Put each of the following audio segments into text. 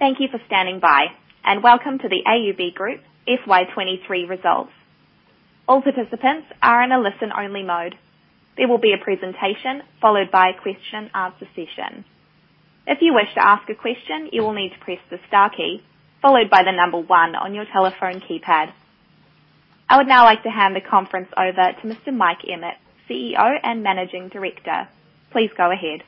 Thank you for standing by, and welcome to the AUB Group FY23 results. All participants are in a listen-only mode. There will be a presentation followed by a question and answer session. If you wish to ask a question, you will need to press the star key followed by the number 1 on your telephone keypad. I would now like to hand the conference over to Mr. Mike Emmett, CEO and Managing Director. Please go ahead.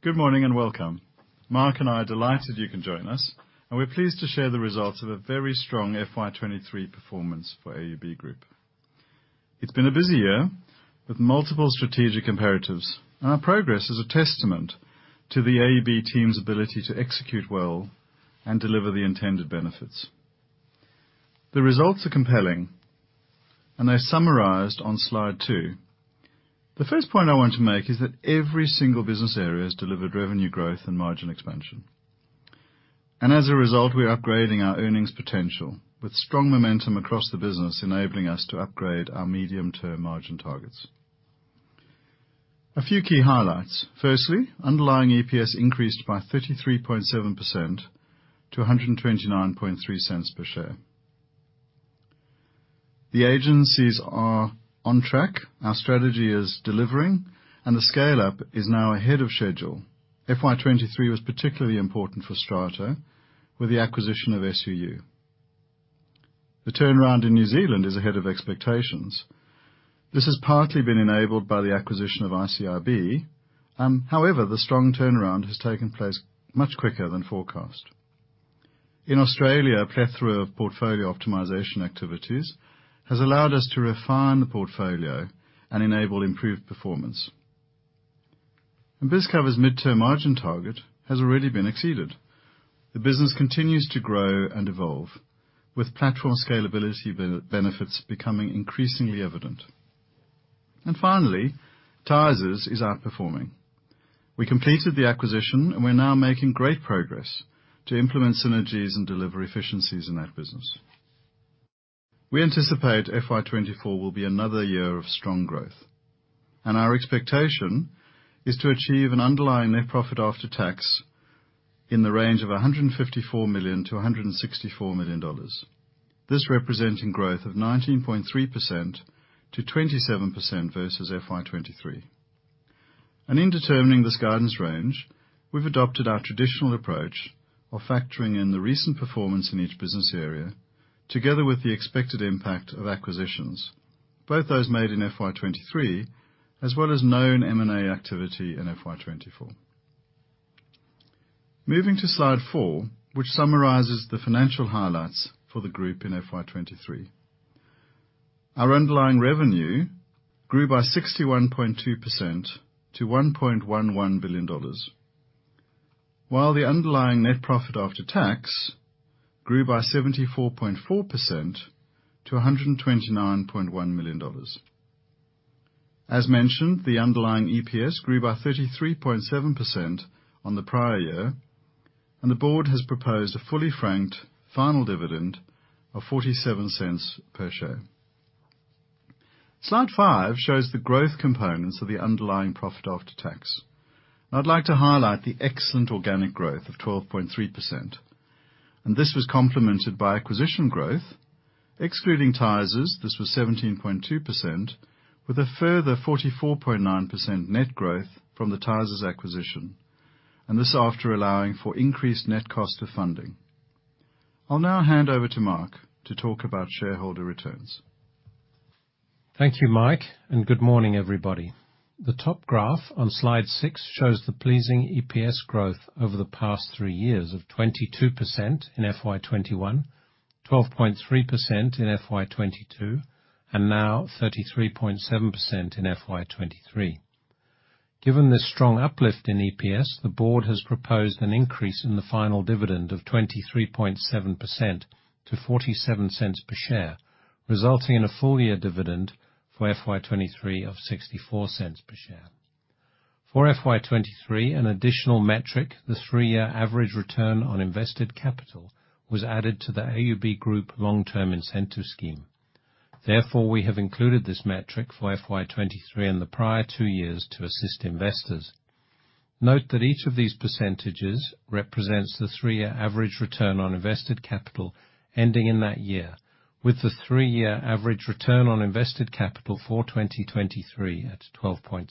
Good morning, welcome. Mark and I are delighted you can join us, and we're pleased to share the results of a very strong FY23 performance for AUB Group. It's been a busy year with multiple strategic imperatives. Our progress is a testament to the AUB team's ability to execute well and deliver the intended benefits. The results are compelling, and they're summarized on slide 2. The first point I want to make is that every single business area has delivered revenue growth and margin expansion, and as a result, we're upgrading our earnings potential with strong momentum across the business, enabling us to upgrade our medium-term margin targets. A few key highlights: firstly, underlying EPS increased by 33.7% to 1.293 per share. The agencies are on track, our strategy is delivering, and the scale-up is now ahead of schedule. FY23 was particularly important for Strata, with the acquisition of SUU. The turnaround in New Zealand is ahead of expectations. This has partly been enabled by the acquisition of ICIB, however, the strong turnaround has taken place much quicker than forecast. In Australia, a plethora of portfolio optimization activities has allowed us to refine the portfolio and enable improved performance. Bizcover's mid-term margin target has already been exceeded. The business continues to grow and evolve, with platform scalability benefits becoming increasingly evident. Finally, Tysers is outperforming. We completed the acquisition, and we're now making great progress to implement synergies and deliver efficiencies in that business. We anticipate FY24 will be another year of strong growth, our expectation is to achieve an underlying net profit after tax in the range of $154 million-$164 million. This representing growth of 19.3%-27% versus FY23. In determining this guidance range, we've adopted our traditional approach of factoring in the recent performance in each business area, together with the expected impact of acquisitions, both those made in FY23 as well as known M&A activity in FY24. Moving to Slide 4, which summarizes the financial highlights for the group in FY23. Our underlying revenue grew by 61.2% to 1.11 billion dollars, while the underlying net profit after tax grew by 74.4% to 129.1 million dollars. As mentioned, the underlying EPS grew by 33.7% on the prior year, and the board has proposed a fully franked final dividend of 0.47 per share. Slide 5 shows the growth components of the underlying profit after tax. I'd like to highlight the excellent organic growth of 12.3%. This was complemented by acquisition growth. Excluding Tysers, this was 17.2%, with a further 44.9% net growth from the Tysers acquisition. This after allowing for increased net cost of funding. I'll now hand over to Mark to talk about shareholder returns. Thank you, Mike. Good morning, everybody. The top graph on slide 6 shows the pleasing EPS growth over the past 3 years of 22% in FY21, 12.3% in FY22, and now 33.7% in FY23. Given this strong uplift in EPS, the board has proposed an increase in the final dividend of 23.7% to 0.47 per share, resulting in a full year dividend for FY23 of 0.64 per share. For FY23, an additional metric, the 3-year average Return on Invested Capital, was added to the AUB Group long-term incentive scheme. Therefore, we have included this metric for FY23 and the prior 2 years to assist investors. Note that each of these percentages represents the three-year average Return on Invested Capital ending in that year, with the three-year average Return on Invested Capital for 2023 at 12.6%.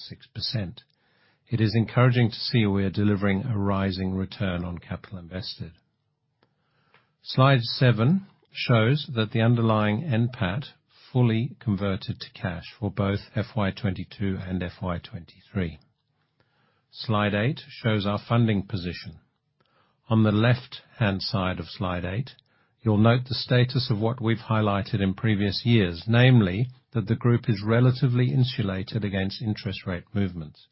It is encouraging to see we are delivering a rising Return on Capital Invested. Slide seven shows that the underlying NPAT fully converted to cash for both FY22 and FY23. Slide eight shows our funding position. On the left-hand side of slide eight, you'll note the status of what we've highlighted in previous years, namely, that the group is relatively insulated against interest rate movements.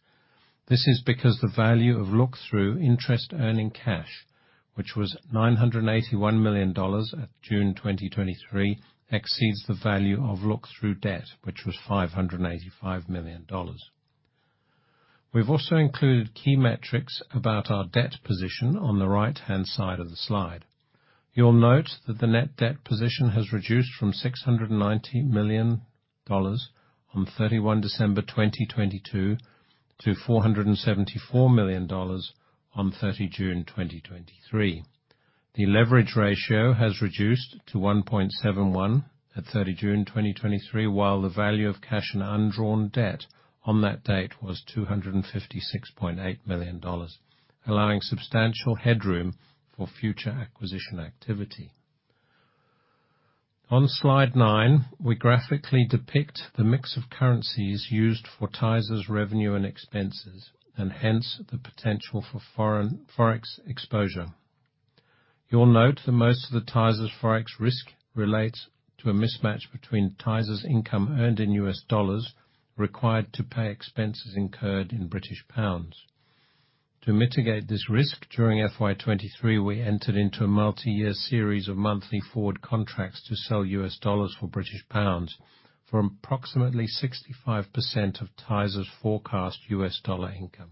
This is because the value of look-through interest-earning cash, which was 981 million dollars at June 2023, exceeds the value of look-through debt, which was 585 million dollars. We've also included key metrics about our debt position on the right-hand side of the Slide. You'll note that the net debt position has reduced from 690 million dollars on December 31, 2022 to 474 million dollars on June 30, 2023. The leverage ratio has reduced to 1.71 at June 30, 2023, while the value of cash and undrawn debt on that date was 256.8 million dollars, allowing substantial headroom for future acquisition activity. On Slide 9, we graphically depict the mix of currencies used for Tysers' revenue and expenses, and hence, the potential for Forex exposure. You'll note that most of the Tysers' Forex risk relates to a mismatch between Tysers' income earned in U.S. dollars, required to pay expenses incurred in British pounds. To mitigate this risk, during FY23, we entered into a multi-year series of monthly forward contracts to sell U.S. dollars for British pounds for approximately 65% of Tysers' forecast U.S. dollar income.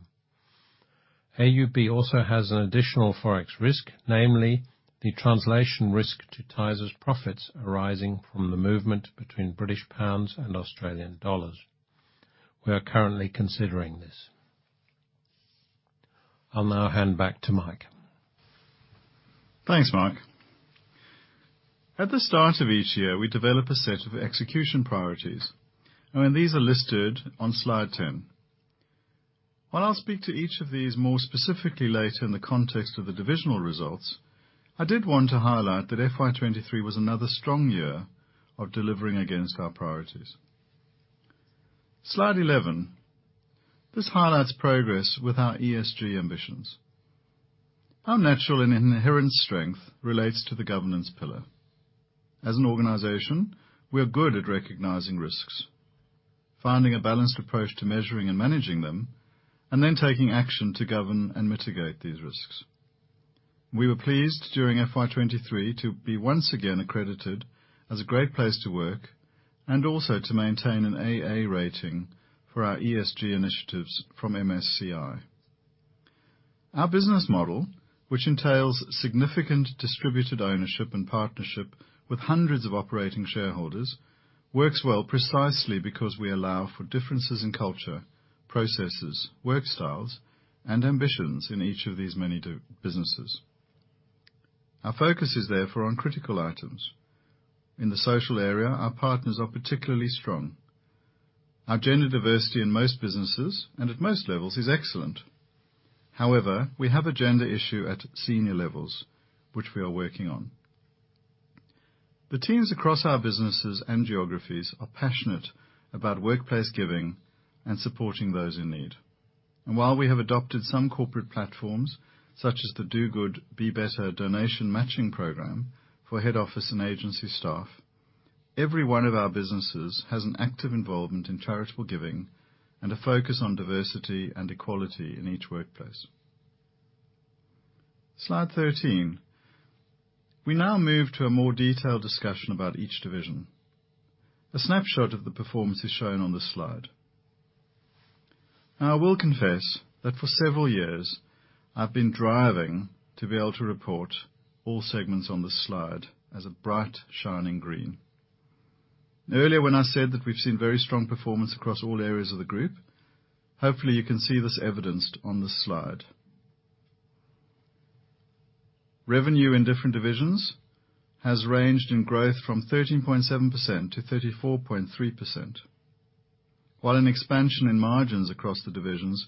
AUB also has an additional Forex risk, namely the translation risk to Tysers' profits arising from the movement between British pounds and Australian dollars. We are currently considering this. I'll now hand back to Mike. Thanks, Mike. At the start of each year, we develop a set of execution priorities, and these are listed on slide 10. While I'll speak to each of these more specifically later in the context of the divisional results, I did want to highlight that FY23 was another strong year of delivering against our priorities. Slide 11. This highlights progress with our ESG ambitions. Our natural and inherent strength relates to the governance pillar. As an organization, we are good at recognizing risks, finding a balanced approach to measuring and managing them, and then taking action to govern and mitigate these risks. We were pleased, during FY23, to be once again accredited as a Great Place to Work and also to maintain an AA rating for our ESG initiatives from MSCI. Our business model, which entails significant distributed ownership and partnership with hundreds of operating shareholders, works well precisely because we allow for differences in culture, processes, work styles, and ambitions in each of these many de- businesses. Our focus is, therefore, on critical items. In the social area, our partners are particularly strong. Our gender diversity in most businesses and at most levels is excellent. However, we have a gender issue at senior levels, which we are working on. The teams across our businesses and geographies are passionate about workplace giving and supporting those in need. While we have adopted some corporate platforms, such as the Do Good, Be Better donation matching program for head office and agency staff, every one of our businesses has an active involvement in charitable giving and a focus on diversity and equality in each workplace. Slide 13. We now move to a more detailed discussion about each division. A snapshot of the performance is shown on this slide. I will confess that for several years, I've been driving to be able to report all segments on this slide as a bright, shining green. Earlier, when I said that we've seen very strong performance across all areas of the group, hopefully, you can see this evidenced on this slide. Revenue in different divisions has ranged in growth from 13.7% to 34.3%, while an expansion in margins across the divisions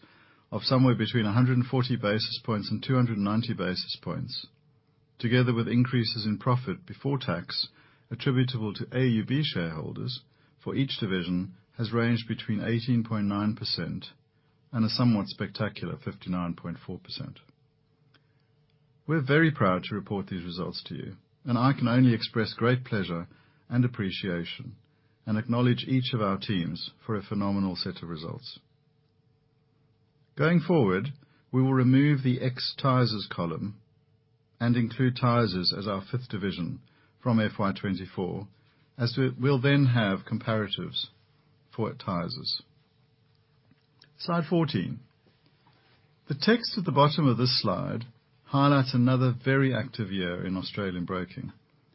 of somewhere between 140 basis points and 290 basis points, together with increases in profit before tax attributable to AUB shareholders for each division, has ranged between 18.9% and a somewhat spectacular 59.4%. We're very proud to report these results to you, and I can only express great pleasure and appreciation and acknowledge each of our teams for a phenomenal set of results. Going forward, we will remove the ex-Tysers column and include Tysers as our 5th division from FY24, as we'll then have comparatives for Tysers. Slide 14. The text at the bottom of this slide highlights another very active year in Australian broking,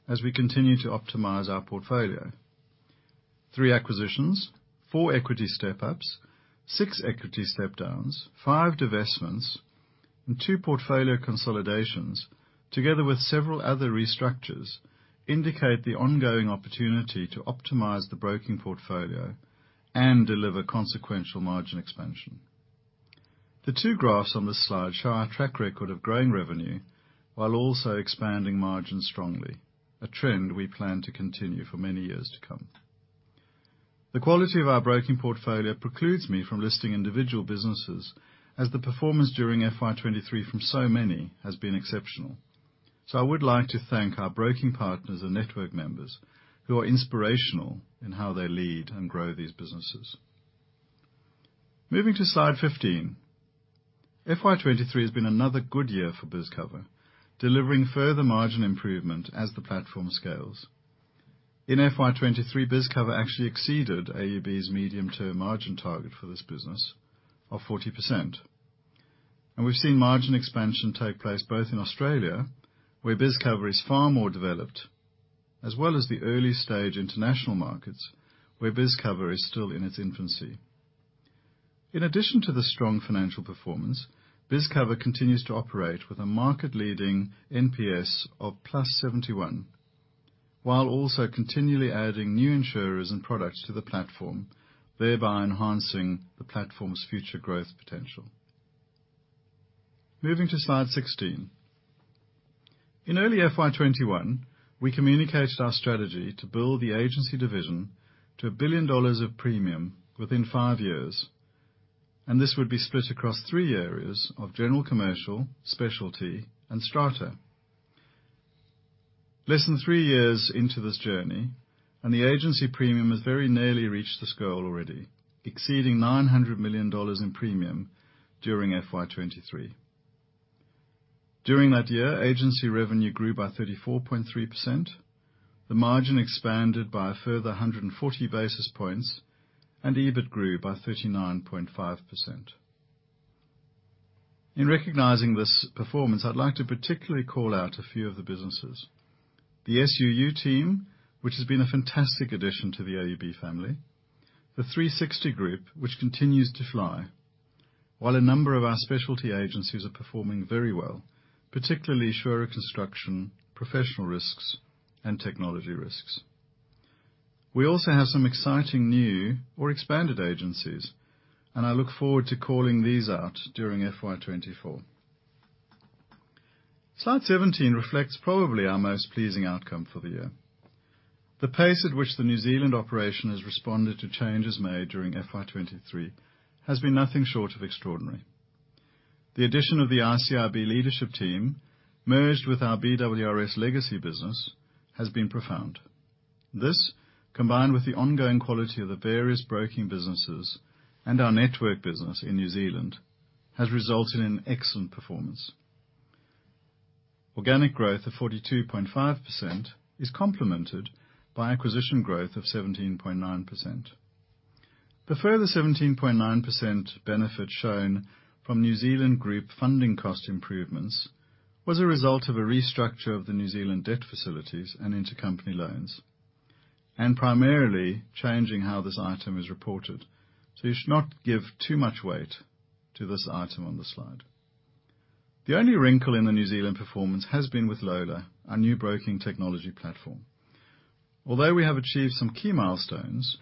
as we continue to optimize our portfolio. Three acquisitions, four equity step-ups, six equity step-downs, five divestments, and two portfolio consolidations, together with several other restructures, indicate the ongoing opportunity to optimize the broking portfolio and deliver consequential margin expansion. The two graphs on this slide show our track record of growing revenue while also expanding margins strongly, a trend we plan to continue for many years to come. The quality of our broking portfolio precludes me from listing individual businesses, as the performance during FY23 from so many has been exceptional. I would like to thank our broking partners and network members who are inspirational in how they lead and grow these businesses. Moving to slide 15. FY23 has been another good year for Bizcover, delivering further margin improvement as the platform scales. In FY23, Bizcover actually exceeded AUB's medium-term margin target for this business of 40%. We've seen margin expansion take place both in Australia, where Bizcover is far more developed, as well as the early stage international markets, where Bizcover is still in its infancy. In addition to the strong financial performance, Bizcover continues to operate with a market-leading NPS of +71, while also continually adding new insurers and products to the platform, thereby enhancing the platform's future growth potential. Moving to slide 16. In early FY21, we communicated our strategy to build the agency division to 1 billion dollars of premium within 5 years, and this would be split across 3 areas of general commercial, specialty, and Strata. Less than 3 years into this journey, and the agency premium has very nearly reached this goal already, exceeding 900 million dollars in premium during FY23. During that year, agency revenue grew by 34.3%, the margin expanded by a further 140 basis points, and EBIT grew by 39.5%. In recognizing this performance, I'd like to particularly call out a few of the businesses. The SUU team, which has been a fantastic addition to the AUB family, the 360 Group, which continues to fly, while a number of our specialty agencies are performing very well, particularly SURA Construction, Professional Risks, and Technology Risks. We also have some exciting new or expanded agencies, and I look forward to calling these out during FY24. Slide 17 reflects probably our most pleasing outcome for the year. The pace at which the New Zealand operation has responded to changes made during FY23 has been nothing short of extraordinary. The addition of the ICIB leadership team, merged with our BWRS legacy business, has been profound. This, combined with the ongoing quality of the various broking businesses and our network business in New Zealand, has resulted in excellent performance. Organic growth of 42.5% is complemented by acquisition growth of 17.9%. The further 17.9% benefit shown from New Zealand group funding cost improvements was a result of a restructure of the New Zealand debt facilities and intercompany loans, and primarily changing how this item is reported. You should not give too much weight to this item on the slide. The only wrinkle in the New Zealand performance has been with Lola, our new broking technology platform. Although we have achieved some key milestones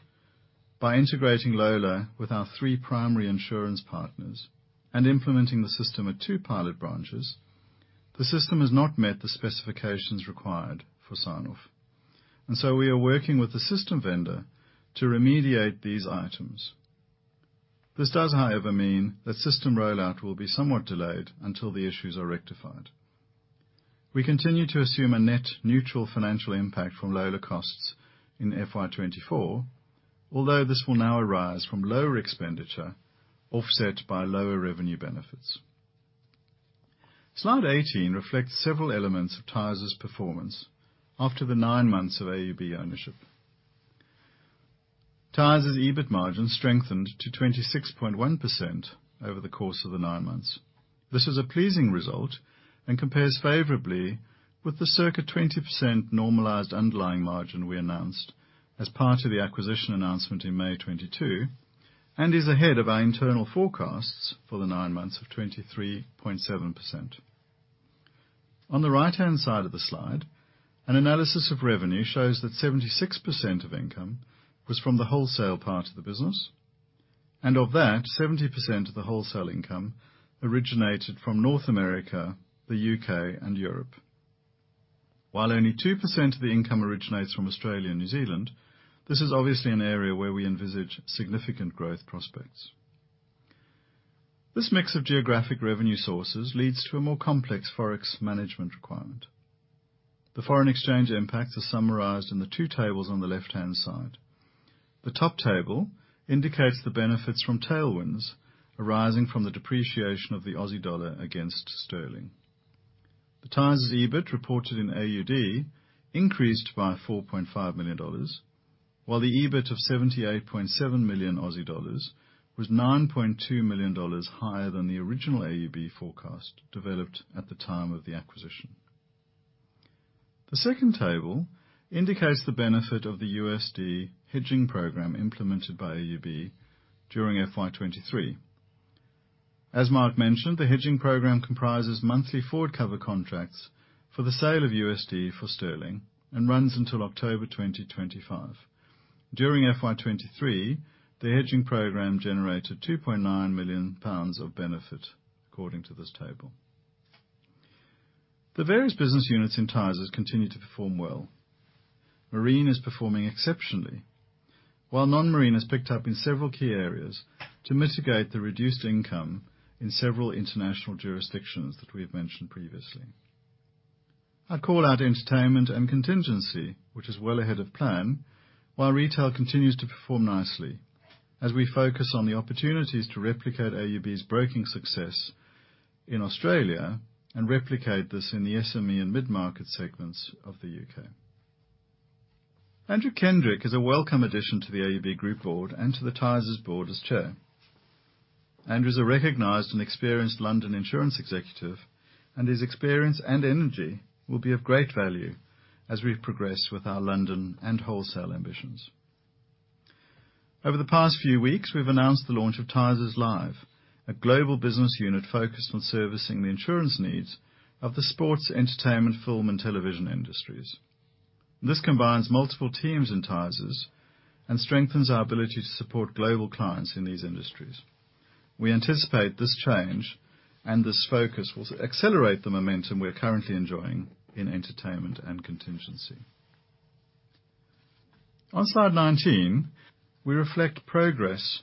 by integrating Lola with our 3 primary insurance partners and implementing the system at 2 pilot branches, the system has not met the specifications required for sign-off, we are working with the system vendor to remediate these items. This does, however, mean that system rollout will be somewhat delayed until the issues are rectified. We continue to assume a net neutral financial impact from Lola costs in FY24, although this will now arise from lower expenditure, offset by lower revenue benefits. Slide 18 reflects several elements of Tysers' performance after the 9 months of AUB ownership. Tysers' EBIT margin strengthened to 26.1% over the course of the 9 months. This is a pleasing result and compares favorably with the circa 20% normalized underlying margin we announced as part of the acquisition announcement in May 2022, and is ahead of our internal forecasts for the 9 months of 23.7%. On the right-hand side of the slide, an analysis of revenue shows that 76% of income was from the wholesale part of the business, and of that, 70% of the wholesale income originated from North America, the UK, and Europe. While only 2% of the income originates from Australia and New Zealand, this is obviously an area where we envisage significant growth prospects. This mix of geographic revenue sources leads to a more complex Forex management requirement. The foreign exchange impacts are summarized in the 2 tables on the left-hand side. The top table indicates the benefits from tailwinds arising from the depreciation of the Aussie dollar against sterling. The Tysers' EBIT reported in AUD increased by AUD 4.5 million, while the EBIT of 78.7 million Aussie dollars was AUD 9.2 million higher than the original AUB forecast developed at the time of the acquisition. The second table indicates the benefit of the USD hedging program implemented by AUB during FY23. As Mark mentioned, the hedging program comprises monthly forward cover contracts for the sale of USD for sterling and runs until October 2025. During FY23, the hedging program generated 2.9 million pounds of benefit, according to this table. The various business units in Tysers continue to perform well. Marine is performing exceptionally, while non-marine has picked up in several key areas to mitigate the reduced income in several international jurisdictions that we have mentioned previously. I'd call out entertainment and contingency, which is well ahead of plan, while retail continues to perform nicely. As we focus on the opportunities to replicate AUB's broking success in Australia and replicate this in the SME and mid-market segments of the UK. Andrew Kendrick is a welcome addition to the AUB Group board and to the Tysers board as Chair. Andrew is a recognized and experienced London insurance executive, and his experience and energy will be of great value as we progress with our London and wholesale ambitions. Over the past few weeks, we've announced the launch of Tysers Live, a global business unit focused on servicing the insurance needs of the sports, entertainment, film, and television industries. This combines multiple teams in Tysers and strengthens our ability to support global clients in these industries. We anticipate this change and this focus will accelerate the momentum we are currently enjoying in entertainment and contingency. On slide 19, we reflect progress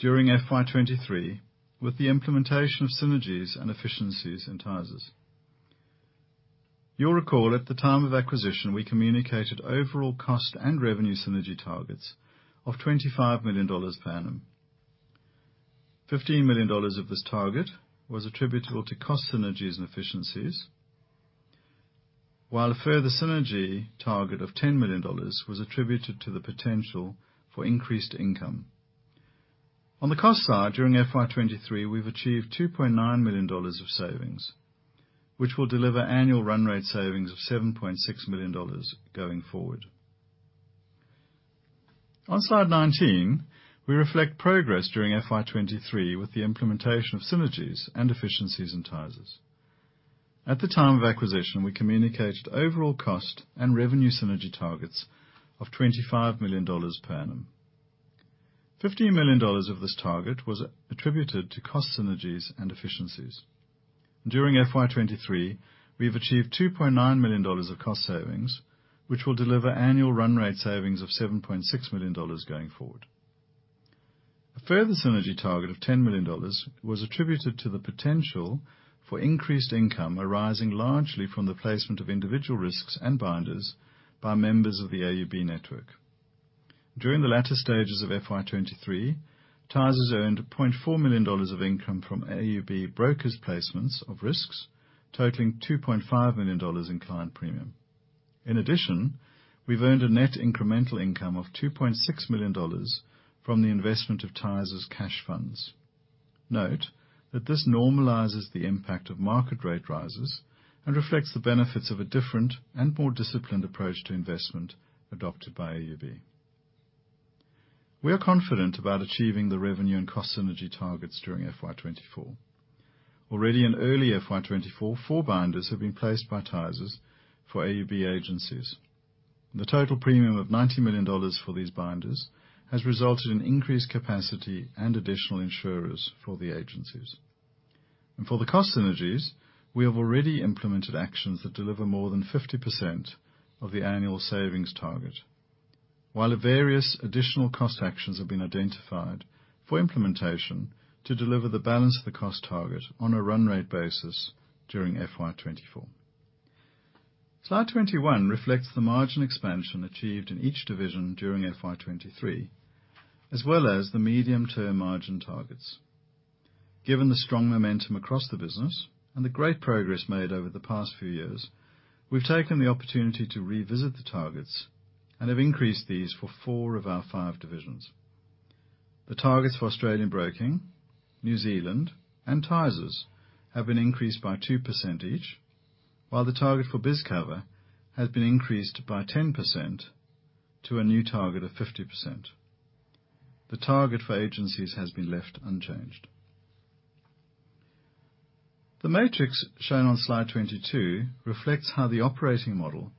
during FY23 with the implementation of synergies and efficiencies in Tysers. You'll recall, at the time of acquisition, we communicated overall cost and revenue synergy targets of 25 million dollars per annum. 15 million dollars of this target was attributable to cost synergies and efficiencies, while a further synergy target of 10 million dollars was attributed to the potential for increased income. On the cost side, during FY23, we've achieved 2.9 million dollars of savings, which will deliver annual run rate savings of 7.6 million dollars going forward. On slide 19, we reflect progress during FY23 with the implementation of synergies and efficiencies in Tysers. At the time of acquisition, we communicated overall cost and revenue synergy targets of 25 million dollars per annum. 15 million dollars of this target was attributed to cost synergies and efficiencies. During FY23, we've achieved 2.9 million dollars of cost savings, which will deliver annual run rate savings of 7.6 million dollars going forward. A further synergy target of 10 million dollars was attributed to the potential for increased income, arising largely from the placement of individual risks and binders by members of the AUB network. During the latter stages of FY23, Tysers earned AUD 0.4 million of income from AUB brokers' placements of risks, totaling AUD 2.5 million in client premium. In addition, we've earned a net incremental income of 2.6 million dollars from the investment of Tysers' cash funds. Note that this normalizes the impact of market rate rises and reflects the benefits of a different and more disciplined approach to investment adopted by AUB. We are confident about achieving the revenue and cost synergy targets during FY24. Already in early FY24, four binders have been placed by Tysers for AUB agencies. The total premium of 90 million dollars for these binders has resulted in increased capacity and additional insurers for the agencies. For the cost synergies, we have already implemented actions that deliver more than 50% of the annual savings target, while various additional cost actions have been identified for implementation to deliver the balance of the cost target on a run rate basis during FY24. Slide 21 reflects the margin expansion achieved in each division during FY23, as well as the medium-term margin targets. Given the strong momentum across the business and the great progress made over the past few years, we've taken the opportunity to revisit the targets and have increased these for four of our five divisions. The targets for Australian Broking, New Zealand, and Tysers have been increased by 2% each, while the target for Bizcover has been increased by 10% to a new target of 50%. The target for agencies has been left unchanged. The matrix shown on slide 22 reflects how the operating model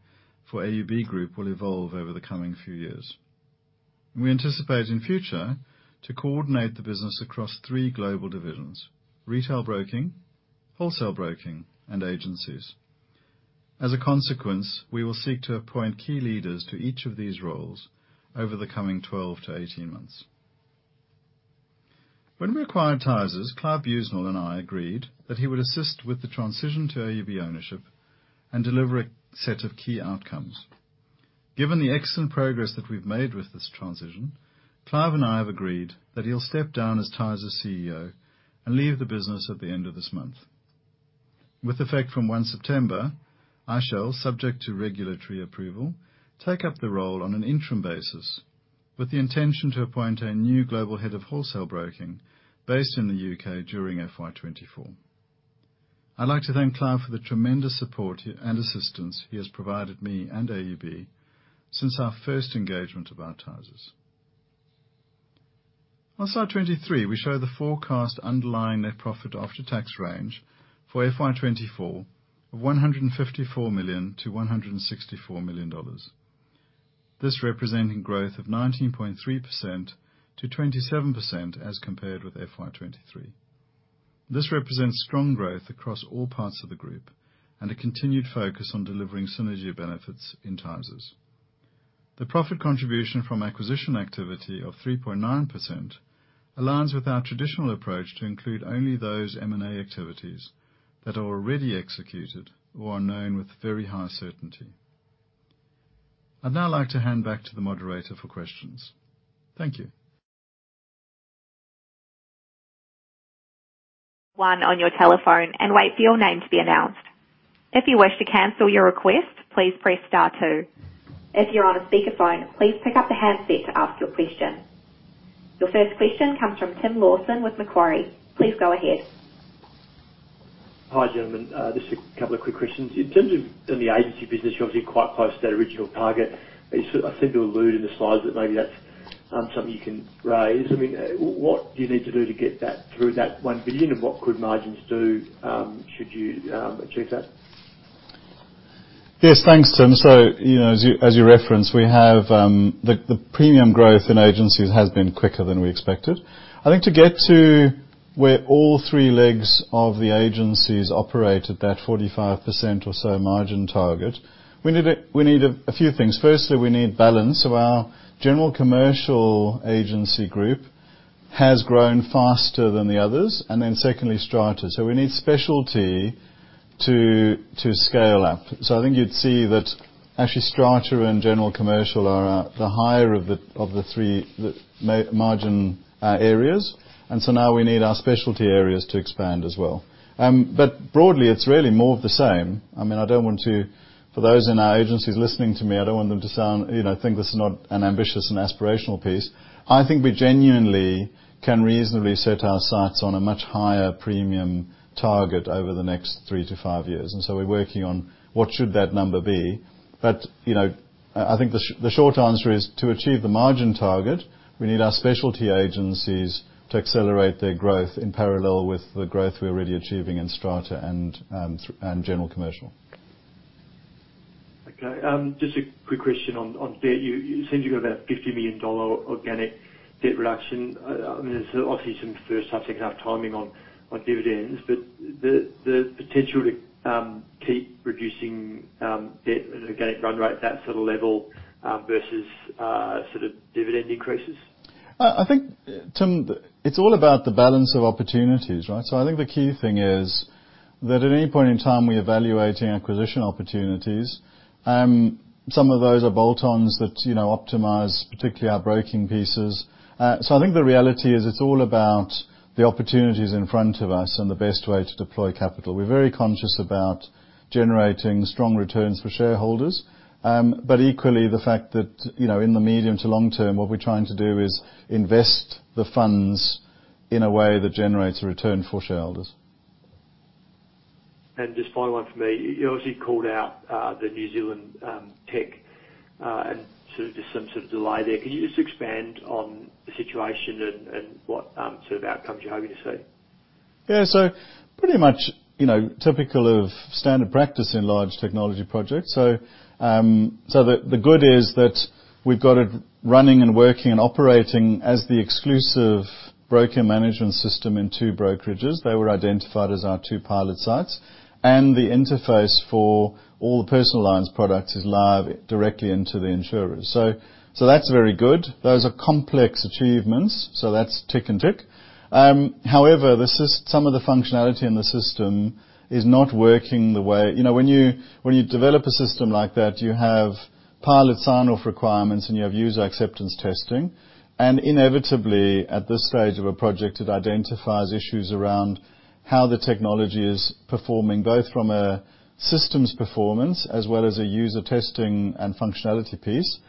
for AUB Group will evolve over the coming few years. We anticipate in future to coordinate the business across 3 global divisions: retail broking, wholesale broking, and agencies. As a consequence, we will seek to appoint key leaders to each of these roles over the coming 12-18 months. When we acquired Tysers, Clive Buesnel and I agreed that he would assist with the transition to AUB ownership and deliver a set of key outcomes. Given the excellent progress that we've made with this transition, Clive and I have agreed that he'll step down as Tysers CEO and leave the business at the end of this month. With effect from 1 September, I shall, subject to regulatory approval, take up the role on an interim basis, with the intention to appoint a new global head of wholesale broking based in the UK during FY24. I'd like to thank Clive for the tremendous support and assistance he has provided me and AUB since our first engagement about Tysers. On slide 23, we show the forecast underlying net profit after tax range for FY24 of 154 million-164 million dollars. This representing growth of 19.3%-27% as compared with FY23. This represents strong growth across all parts of the group and a continued focus on delivering synergy benefits in Tysers. The profit contribution from acquisition activity of 3.9% aligns with our traditional approach to include only those M&A activities that are already executed or are known with very high certainty. I'd now like to hand back to the moderator for questions. Thank you. One on your telephone and wait for your name to be announced. If you wish to cancel your request, please press star two. If you're on a speakerphone, please pick up the handset to ask your question. Your first question comes from Tim Lawson with Macquarie. Please go ahead. Hi, gentlemen. Just a couple of quick questions. In terms of, in the agency business, you're obviously quite close to that original target. I seem to allude in the slides that maybe that's something you can raise. I mean, what do you need to do to get that through that 1 billion, and what could margins do should you achieve that? Yes, thanks, Tim. You know, as you, as you referenced, we have, the, the premium growth in agencies has been quicker than we expected. I think to get to where all three legs of the agencies operate at that 45% or so margin target, we need a, we need a, a few things. Firstly, we need balance. Our general commercial agency group has grown faster than the others, and then secondly, Strata. We need specialty to, to scale up. I think you'd see that actually, Strata and General Commercial are the higher of the, of the three margin, areas, and so now we need our specialty areas to expand as well. But broadly, it's really more of the same. I mean, For those in our agencies listening to me, I don't want them to sound, you know, think this is not an ambitious and aspirational piece. I think we genuinely can reasonably set our sights on a much higher premium target over the next 3 to 5 years, so we're working on what should that number be. You know, I, I think the short answer is: to achieve the margin target, we need our specialty agencies to accelerate their growth in parallel with the growth we're already achieving in Strata and General Commercial. Okay. Just a quick question on, on debt. You seem to go about AUD 50 million organic debt reduction. I mean, there's obviously some first half timing on, on dividends, but the potential to keep reducing debt and organic run rate, that sort of level versus sort of dividend increases. I think, Tim, it's all about the balance of opportunities, right? I think the key thing is that at any point in time, we're evaluating acquisition opportunities, some of those are bolt-ons that, you know, optimize, particularly our broking pieces. I think the reality is, it's all about the opportunities in front of us and the best way to deploy capital. We're very conscious about generating strong returns for shareholders, but equally, the fact that, you know, in the medium to long term, what we're trying to do is invest the funds in a way that generates a return for shareholders. Just final one for me. You obviously called out, the New Zealand, tech, and so just some sort of delay there. Can you just expand on the situation and, and what, sort of outcomes you're hoping to see? Yeah, pretty much, you know, typical of standard practice in large technology projects. The good is that we've got it running and working and operating as the exclusive broker management system in 2 brokerages. They were identified as our 2 pilot sites, and the interface for all the personal lines products is live directly into the insurers. That's very good. Those are complex achievements, so that's tick and tick. However, some of the functionality in the system is not working the way. You know, when you, when you develop a system like that, you have pilot sign-off requirements, and you have user acceptance testing, and inevitably, at this stage of a project, it identifies issues around how the technology is performing, both from a systems performance as well as a user testing and functionality piece.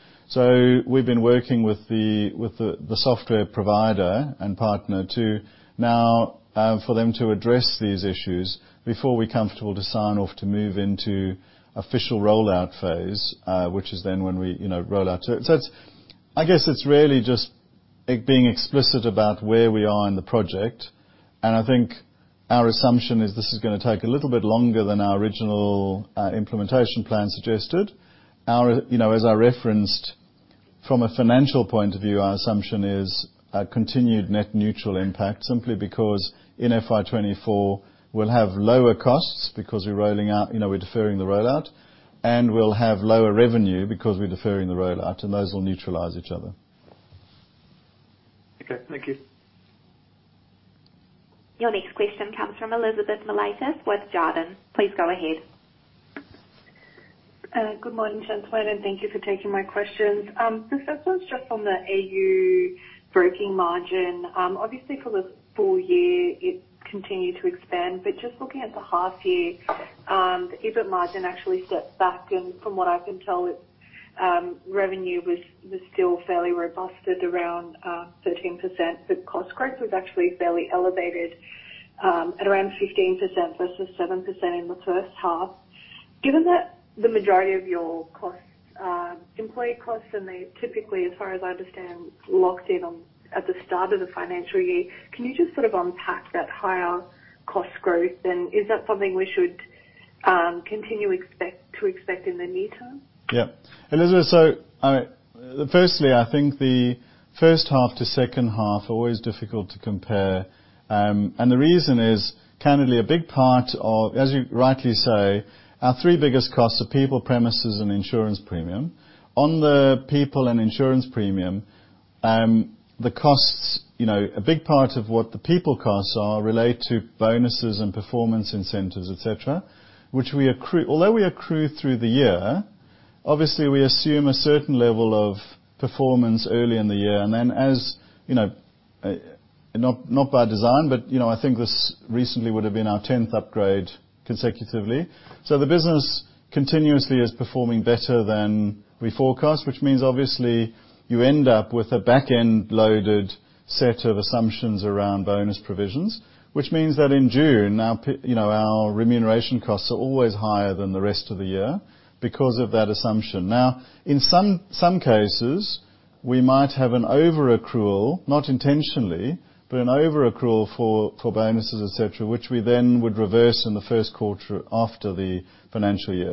We've been working with the, with the, the software provider and partner to now, for them to address these issues before we're comfortable to sign off to move into official rollout phase, which is then when we, you know, roll out to it. It's, I guess it's really just it being explicit about where we are in the project, and I think our assumption is this is going to take a little bit longer than our original implementation plan suggested. Our, you know, as I referenced from a financial point of view, our assumption is a continued net neutral impact, simply because in FY24, we'll have lower costs because we're rolling out, you know, we're deferring the rollout, and we'll have lower revenue because we're deferring the rollout, and those will neutralize each other. Okay, thank you. Your next question comes from Elizabeth Melitus, with Jarden. Please go ahead. Good morning, gentlemen, and thank you for taking my questions. The first one's just on the AUB broking margin. Obviously, for the full year, it continued to expand, but just looking at the half year, the EBIT margin actually stepped back, and from what I can tell, it, revenue was still fairly robust at around 13%, but cost growth was actually fairly elevated, at around 15% versus 7% in the first half. Given that the majority of your costs are employee costs, and they typically, as far as I understand, locked in on at the start of the financial year, can you just sort of unpack that higher cost growth? Is that something we should continue to expect in the near term? Yeah. Elizabeth, all right, firstly, I think the first half to second half, always difficult to compare. The reason is, candidly, a big part of... As you rightly say, our three biggest costs are people, premises, and insurance premium. On the people and insurance premium. The costs, you know, a big part of what the people costs are relate to bonuses and performance incentives, et cetera, which we accrue. Although we accrue through the year, obviously, we assume a certain level of performance early in the year, and then, as, you know, not, not by design, but, you know, I think this recently would have been our tenth upgrade consecutively. The business continuously is performing better than we forecast, which means obviously you end up with a back-end loaded set of assumptions around bonus provisions, which means that in June, now, you know, our remuneration costs are always higher than the rest of the year because of that assumption. Now, in some, some cases, we might have an over-accrual, not intentionally, but an over-accrual for, for bonuses, et cetera, which we then would reverse in the first quarter after the financial year.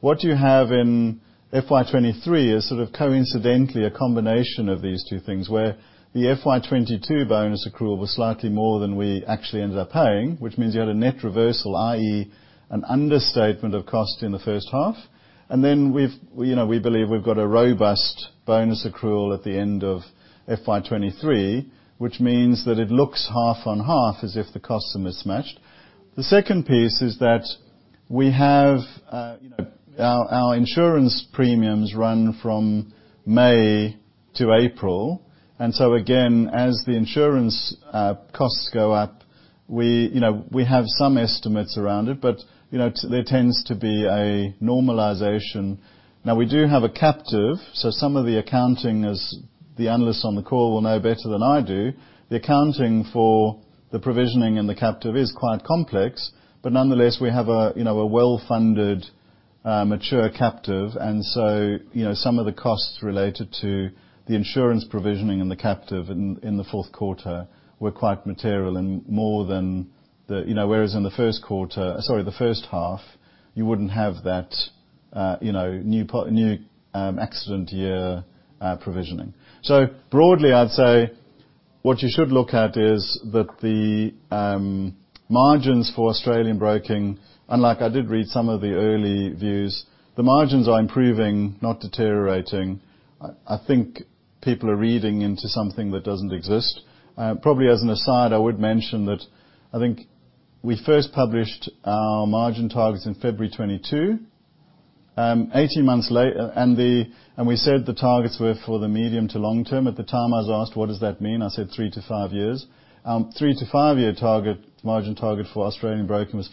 What you have in FY23 is sort of coincidentally a combination of these two things, where the FY22 bonus accrual was slightly more than we actually ended up paying, which means you had a net reversal, i.e., an understatement of cost in the first half. Then, we've, you know, we believe we've got a robust bonus accrual at the end of FY23, which means that it looks half on half as if the costs are mismatched. The second piece is that we have, you know, our, our insurance premiums run from May to April, and so again, as the insurance costs go up, we, you know, we have some estimates around it, but, you know, there tends to be a normalization. Now, we do have a captive, so some of the accounting, as the analysts on the call will know better than I do, the accounting for the provisioning and the captive is quite complex, but nonetheless, we have a, you know, a well-funded, mature captive. You know, some of the costs related to the insurance provisioning and the captive in, in the fourth quarter were quite material and more than the. You know, whereas in the first quarter, sorry, the first half, you wouldn't have that, you know, new part, new accident year provisioning. So broadly, I'd say what you should look at is that the margins for Australian Broking, and like I did read some of the early views, the margins are improving, not deteriorating. I think people are reading into something that doesn't exist. Probably as an aside, I would mention that I think we first published our margin targets in February 2022, 18 months later, and the. We said the targets were for the medium to long term. At the time, I was asked: "What does that mean? I said, "3-5 years." 3-5 year target, margin target for Australian Broking was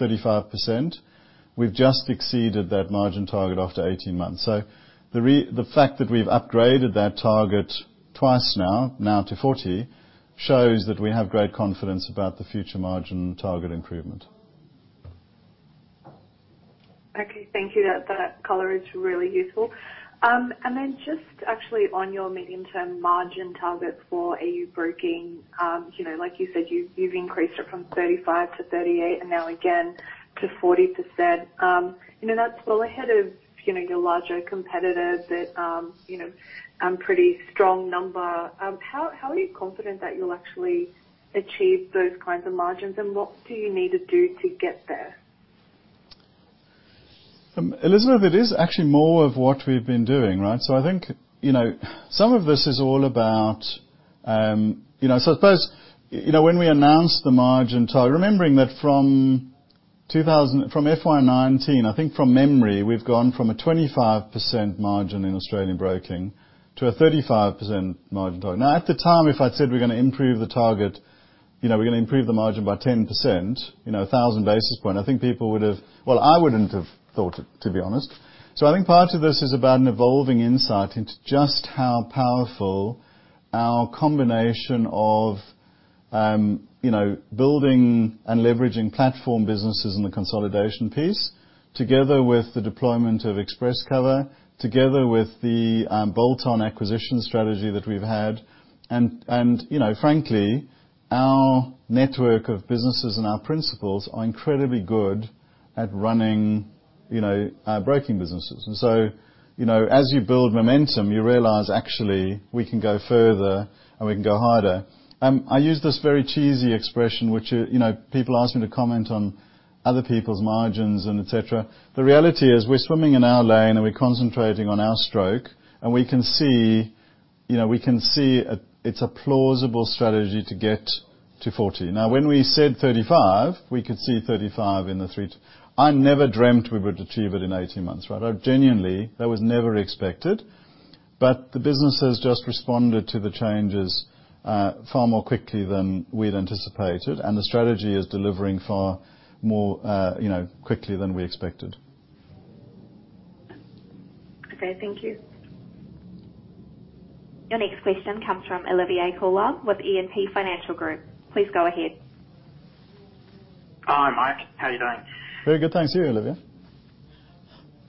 35%. We've just exceeded that margin target after 18 months. The fact that we've upgraded that target twice now, now to 40, shows that we have great confidence about the future margin target improvement. Okay, thank you. That, that color is really useful. Then just actually on your medium-term margin target for AU Broking, you know, like you said, you've, you've increased it from 35% to 38%, and now again to 40%. You know, that's well ahead of, you know, your larger competitors. That, you know, pretty strong number. How, how are you confident that you'll actually achieve those kinds of margins, and what do you need to do to get there? Elizabeth, it is actually more of what we've been doing, right? I think, you know, some of this is all about, you know, so I suppose, you know, when we announce the margin target, remembering that from FY19, I think from memory, we've gone from a 25% margin in Australian Broking to a 35% margin target. At the time, if I'd said we're going to improve the target, you know, we're going to improve the margin by 10%, you know, a 1,000 basis point, I think people would have. Well, I wouldn't have thought it, to be honest. I think part of this is about an evolving insight into just how powerful our combination of, you know, building and leveraging platform businesses in the consolidation piece, together with the deployment of Express Cover, together with the bolt-on acquisition strategy that we've had. And, you know, frankly, our network of businesses and our principals are incredibly good at running, you know, broking businesses. So, you know, as you build momentum, you realize, actually, we can go further and we can go harder. I use this very cheesy expression, which, you know, people ask me to comment on other people's margins and et cetera. The reality is, we're swimming in our lane, and we're concentrating on our stroke, and we can see, you know, we can see a, it's a plausible strategy to get to 40. Now, when we said 35, we could see 35 in the three... I never dreamt we would achieve it in 18 months, right? I genuinely, that was never expected, but the business has just responded to the changes, far more quickly than we'd anticipated, and the strategy is delivering far more, you know, quickly than we expected. Okay, thank you. Your next question comes from Olivier Coulon with E&P Financial Group. Please go ahead. Hi, Mike, how are you doing? Very good, thanks. You, Olivier?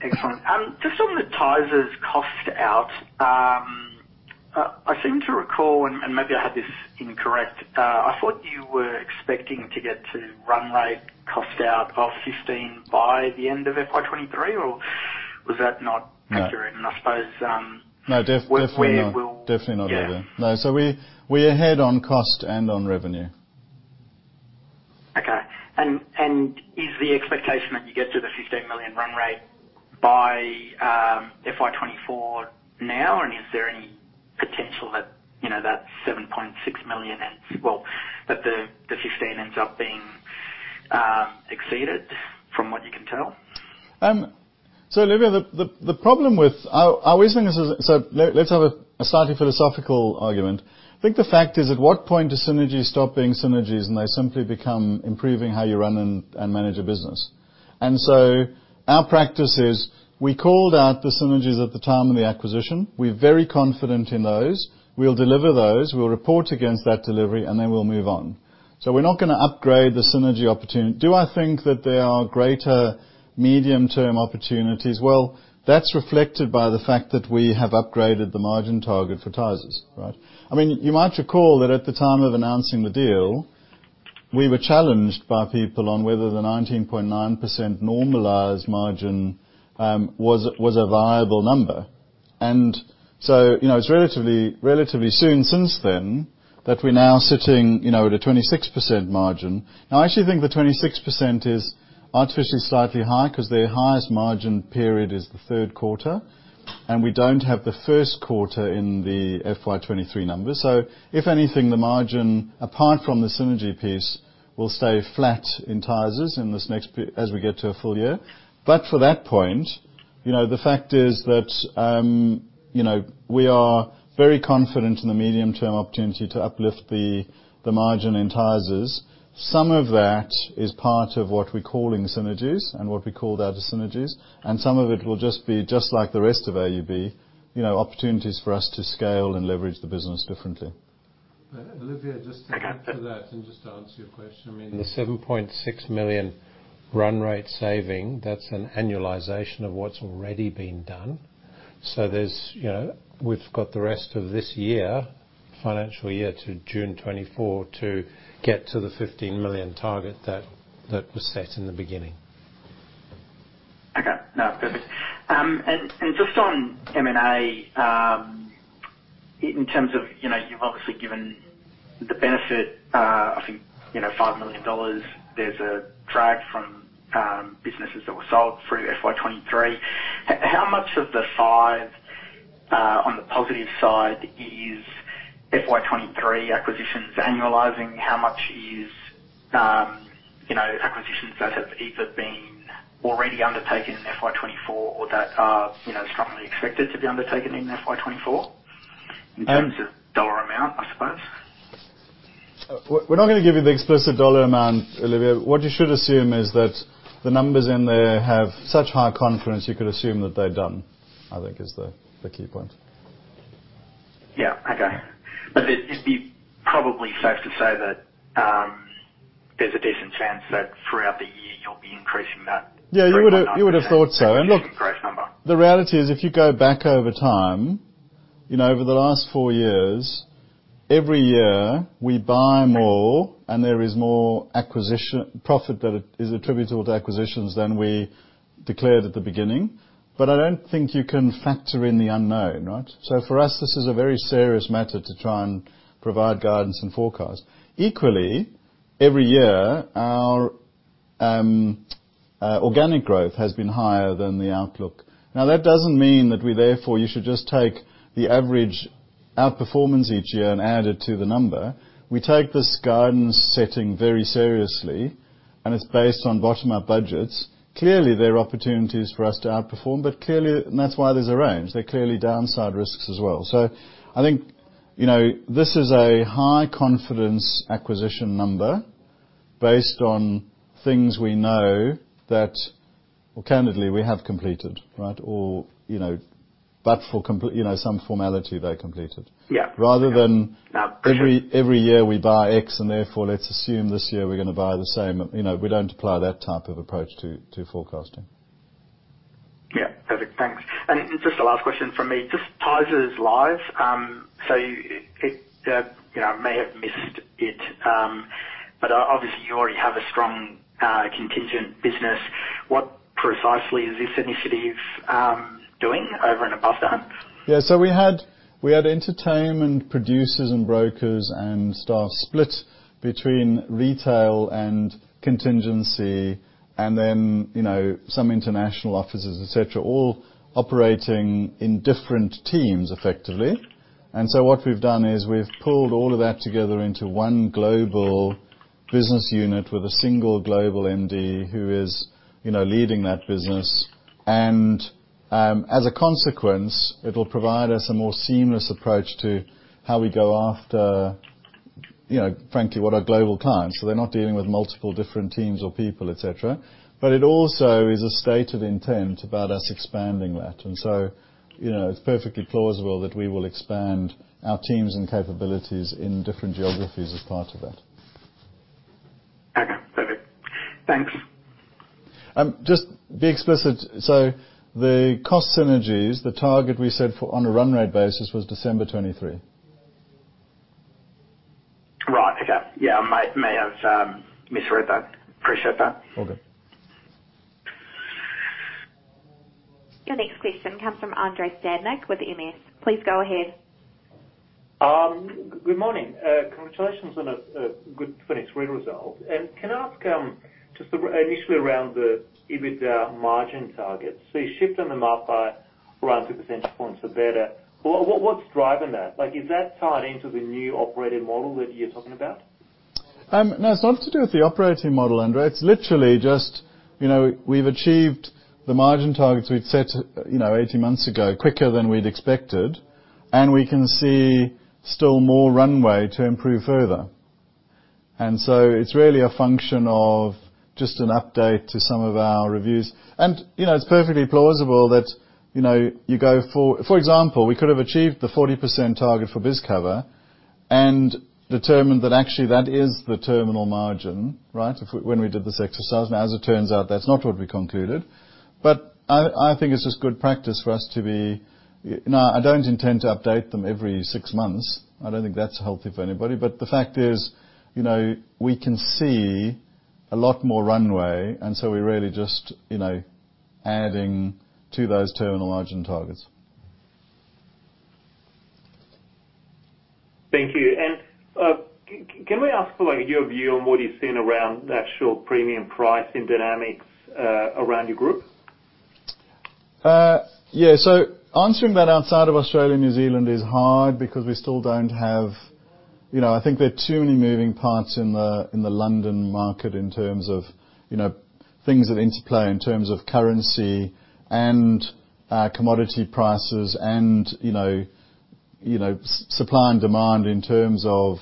Excellent. Just on the Tysers cost out, I seem to recall, and, and maybe I have this incorrect, I thought you were expecting to get to run rate cost out of 15 by the end of FY23, or was that not? No. Accurate? I suppose, No, definitely not. We Definitely not, Olivier. Yeah. No. We, we are ahead on cost and on revenue. And is the expectation that you get to the 15 million run rate by FY24 now? Or is there any potential that, you know, that 7.6 million ends-- well, that the, the 15 ends up being exceeded from what you can tell? Olivia, the problem with, I always think this is. Let's have a slightly philosophical argument. I think the fact is, at what point do synergies stop being synergies, and they simply become improving how you run and manage a business? Our practice is, we called out the synergies at the time of the acquisition. We're very confident in those. We'll deliver those, we'll report against that delivery, and then we'll move on. We're not going to upgrade the synergy opportunity. Do I think that there are greater medium-term opportunities? Well, that's reflected by the fact that we have upgraded the margin target for Tysers, right? I mean, you might recall that at the time of announcing the deal, we were challenged by people on whether the 19.9% normalized margin was a viable number. You know, it's relatively, relatively soon since then that we're now sitting, you know, at a 26% margin. Now, I actually think the 26% is artificially slightly higher, 'cause their highest margin period is the 3rd quarter, and we don't have the 1st quarter in the FY23 numbers. If anything, the margin, apart from the synergy piece, will stay flat in Tysers in this next per-- as we get to a full year. For that point, you know, the fact is that, you know, we are very confident in the medium-term opportunity to uplift the, the margin in Tysers. Some of that is part of what we're calling synergies and what we called out as synergies, and some of it will just be just like the rest of AUB, you know, opportunities for us to scale and leverage the business differently. Olivia, just to add to that, and just to answer your question, I mean, the 7.6 million run rate saving, that's an annualization of what's already been done. There's, you know, we've got the rest of this year, financial year to June 2024, to get to the 15 million target that, that was set in the beginning. Okay. No, perfect. Just on M&A, in terms of, you know, you've obviously given the benefit, I think, you know, 5 million dollars, there's a drag from businesses that were sold through FY23. H-how much of the 5, on the positive side is FY23 acquisitions annualizing? How much is, you know, acquisitions that have either been already undertaken in FY24 or that are, you know, strongly expected to be undertaken in FY24? Um. In terms of dollar amount, I suppose? We're not going to give you the explicit dollar amount, Olivia. What you should assume is that the numbers in there have such high confidence, you could assume that they're done, I think is the key point. Yeah. Okay. It'd, it'd be probably safe to say that there's a decent chance that throughout the year you'll be increasing that? Yeah, you would've, you would've thought so. And look. Gross number. The reality is, if you go back over time, you know, over the last 4 years, every year, we buy more and there is more acquisition profit that is attributable to acquisitions than we declared at the beginning. I don't think you can factor in the unknown, right? For us, this is a very serious matter to try and provide guidance and forecast. Equally, every year, our organic growth has been higher than the outlook. That doesn't mean that we therefore, you should just take the average outperformance each year and add it to the number. We take this guidance setting very seriously, and it's based on bottom-up budgets. Clearly, there are opportunities for us to outperform, but clearly. That's why there's a range. There are clearly downside risks as well. I think, you know, this is a high confidence acquisition number based on things we know that, well, candidly, we have completed, right? You know, but for you know, some formality, they're completed. Yeah. Rather than. Okay. Eery, every year we buy X, and therefore, let's assume this year we're going to buy the same. You know, we don't apply that type of approach to, to forecasting. Yeah. Perfect. Thanks. Just a last question from me. Just Tysers Live, so it, you know, I may have missed it, but obviously you already have a strong, contingent business. What precisely is this initiative doing over and above that? Yeah. So we had, we had entertainment producers and brokers and staff split between retail and contingency and then, you know, some international offices, et cetera, all operating in different teams, effectively. What we've done is we've pulled all of that together into one global business unit with a single global MD, who is, you know, leading that business. As a consequence, it'll provide us a more seamless approach to how we go after, you know, frankly, what our global clients, so they're not dealing with multiple different teams or people, et cetera. It also is a state of intent about us expanding that. You know, it's perfectly plausible that we will expand our teams and capabilities in different geographies as part of that. Okay. Perfect. Thanks. Just to be explicit, so the cost synergies, the target we set for on a run rate basis was December 2023. Right. Okay. Yeah, I might may have, misread that. Appreciate that. Okay. Your next question comes from Andrei Stadnik with EMS. Please go ahead. Good morning. Congratulations on a, a good finished rate result. Can I ask, just initially around the EBITDA margin targets? You shifted them up by around 2 percentage points or better. What, what's driving that? Like, is that tied into the new operating model that you're talking about? No, it's not to do with the operating model, Andrei Stadnik. It's literally just, you know, we've achieved the margin targets we'd set, you know, 18 months ago, quicker than we'd expected, and we can see still more runway to improve further. It's really a function of just an update to some of our reviews. You know, it's perfectly plausible that, you know, For example, we could have achieved the 40% target for Bizcover and determined that actually that is the terminal margin, right? If we, when we did this exercise, now, as it turns out, that's not what we concluded, but I, I think it's just good practice for us to be. Now, I don't intend to update them every six months. I don't think that's healthy for anybody, but the fact is, you know, we can see a lot more runway, and so we're really just, you know, adding to those terminal margin targets. Thank you. Can we ask for, like, your view on what you've seen around the actual premium pricing dynamics, around your group? Yeah, answering that outside of Australia and New Zealand is hard because we still don't have... You know, I think there are too many moving parts in the, in the London Market in terms of, you know, things that interplay in terms of currency and, commodity prices and, you know, you know, supply and demand in terms of,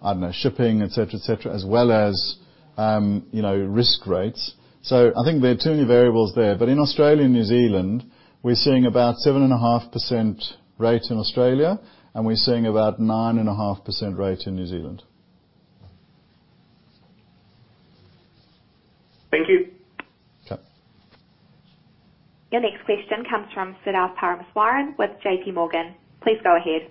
I don't know, shipping, et cetera, et cetera, as well as, you know, risk rates. I think there are too many variables there. In Australia and New Zealand, we're seeing about 7.5% rate in Australia, and we're seeing about 9.5% rate in New Zealand. Thank you. Okay. Your next question comes from Siddharth Parameswaran with J.P. Morgan. Please go ahead.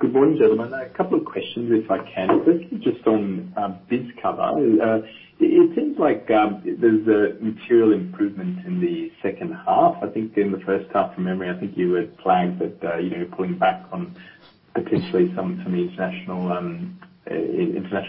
Good morning, gentlemen. A couple of questions, if I can. Firstly, just on Bizcover. It seems like there's a material improvement in the second half. I think in the first half, from memory, I think you were planning that, you know, pulling back on potentially some, some international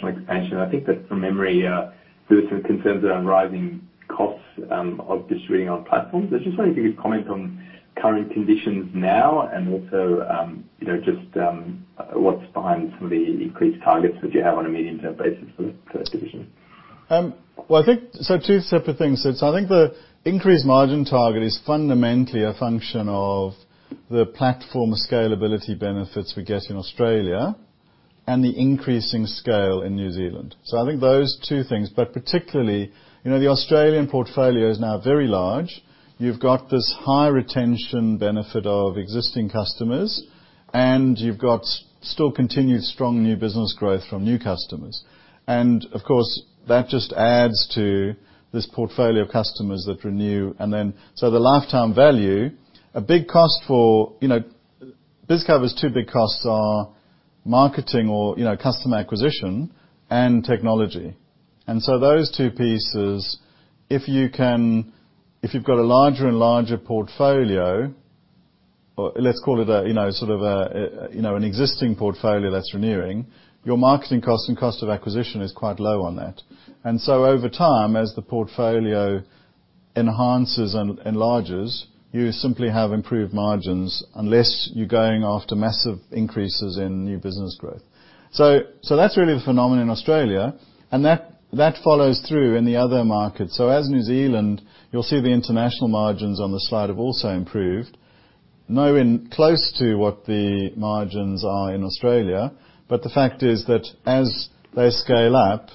expansion. I think that from memory, there were some concerns around rising costs of distributing on platforms. I just wonder if you could comment on current conditions now and also, you know, just what's behind some of the increased targets that you have on a medium-term basis for the first division? Well, I think, two separate things. I think the increased margin target is fundamentally a function of the platform scalability benefits we get in Australia and the increasing scale in New Zealand. I think those two things, but particularly, you know, the Australian portfolio is now very large. You've got this high retention benefit of existing customers, and you've got still continued strong new business growth from new customers. Of course, that just adds to this portfolio of customers that renew, and then, the lifetime value, a big cost for, you know, Bizcover's two big costs are marketing or, you know, customer acquisition and technology. Those two pieces, if you can, if you've got a larger and larger portfolio, or let's call it a, you know, sort of a, you know, an existing portfolio that's renewing, your marketing cost and cost of acquisition is quite low on that. Over time, as the portfolio enhances and enlarges, you simply have improved margins unless you're going after massive increases in new business growth. So that's really the phenomenon in Australia, and that, that follows through in the other markets. As New Zealand, you'll see the international margins on the slide have also improved. Nowhere close to what the margins are in Australia, but the fact is that as they scale up,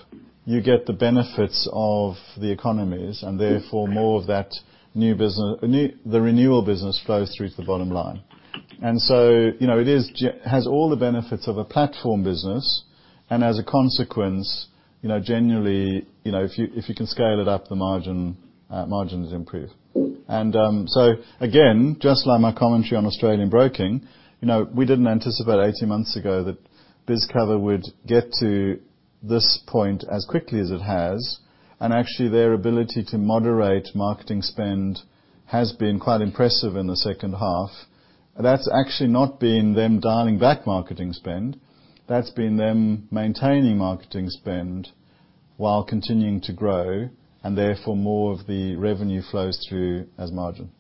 you get the benefits of the economies, and therefore, more of that new business, new, the renewal business flows through to the bottom line. So, you know, it is has all the benefits of a platform business, and as a consequence, you know, generally, you know, if you, if you can scale it up, the margin, margins improve. So again, just like my commentary on Australian Broking, you know, we didn't anticipate 18 months ago that Bizcover would get to this point as quickly as it has, and actually, their ability to moderate marketing spend has been quite impressive in the second half. That's actually not been them dialing back marketing spend, that's been them maintaining marketing spend while continuing to grow, and therefore, more of the revenue flows through as margin.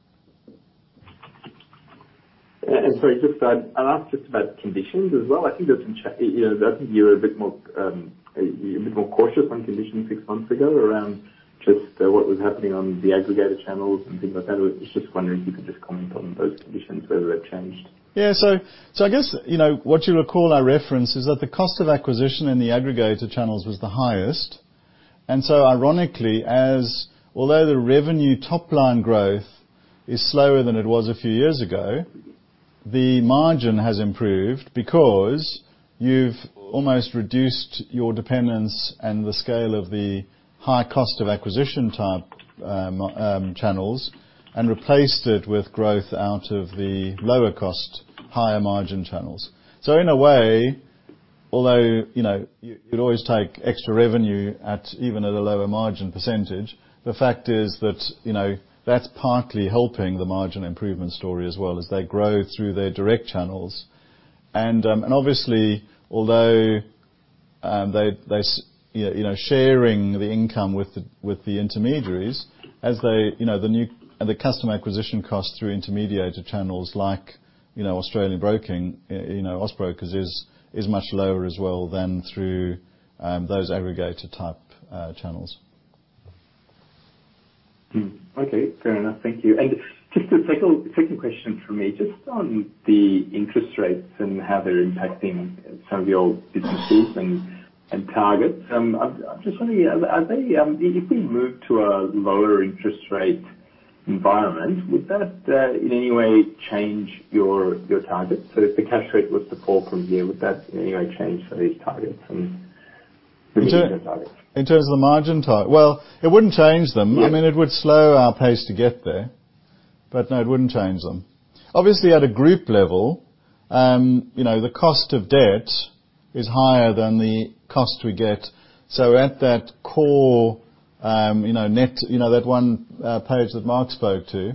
Sorry, just I'll ask just about conditions as well. I think there's been you know, I think you were a bit more, a bit more cautious on conditions six months ago around just what was happening on the aggregator channels and things like that. I was just wondering if you could just comment on those conditions, whether they've changed? I guess, you know, what you'll recall I referenced is that the cost of acquisition in the aggregator channels was the highest. Ironically, as although the revenue top line growth is slower than it was a few years ago, the margin has improved because you've almost reduced your dependence on the scale of the high cost of acquisition type channels, and replaced it with growth out of the lower cost, higher margin channels. In a way, although, you know, you, you'd always take extra revenue at even at a lower margin percentage. The fact is that, you know, that's partly helping the margin improvement story as well as they grow through their direct channels. Obviously, although, they, you know, sharing the income with the, with the intermediaries, as they, you know, the customer acquisition costs through intermediated channels like, you know, Australian Broking, you know, Aus Brokers, is much lower as well than through, those aggregator-type, channels. Hmm. Okay, fair enough. Thank you. Just a second, second question for me. Just on the interest rates and how they're impacting some of your businesses and, and targets, I'm, I'm just wondering, are they, if we move to a lower interest rate environment, would that in any way change your, your targets? If the cash rate was to fall from here, would that in any way change these targets and the division targets? In terms of the margin target? Well, it wouldn't change them. Yeah. I mean, it would slow our pace to get there, but no, it wouldn't change them. Obviously, at a group level, you know, the cost of debt is higher than the cost we get. So at that core, you know, net, you know, that one page that Mark spoke to,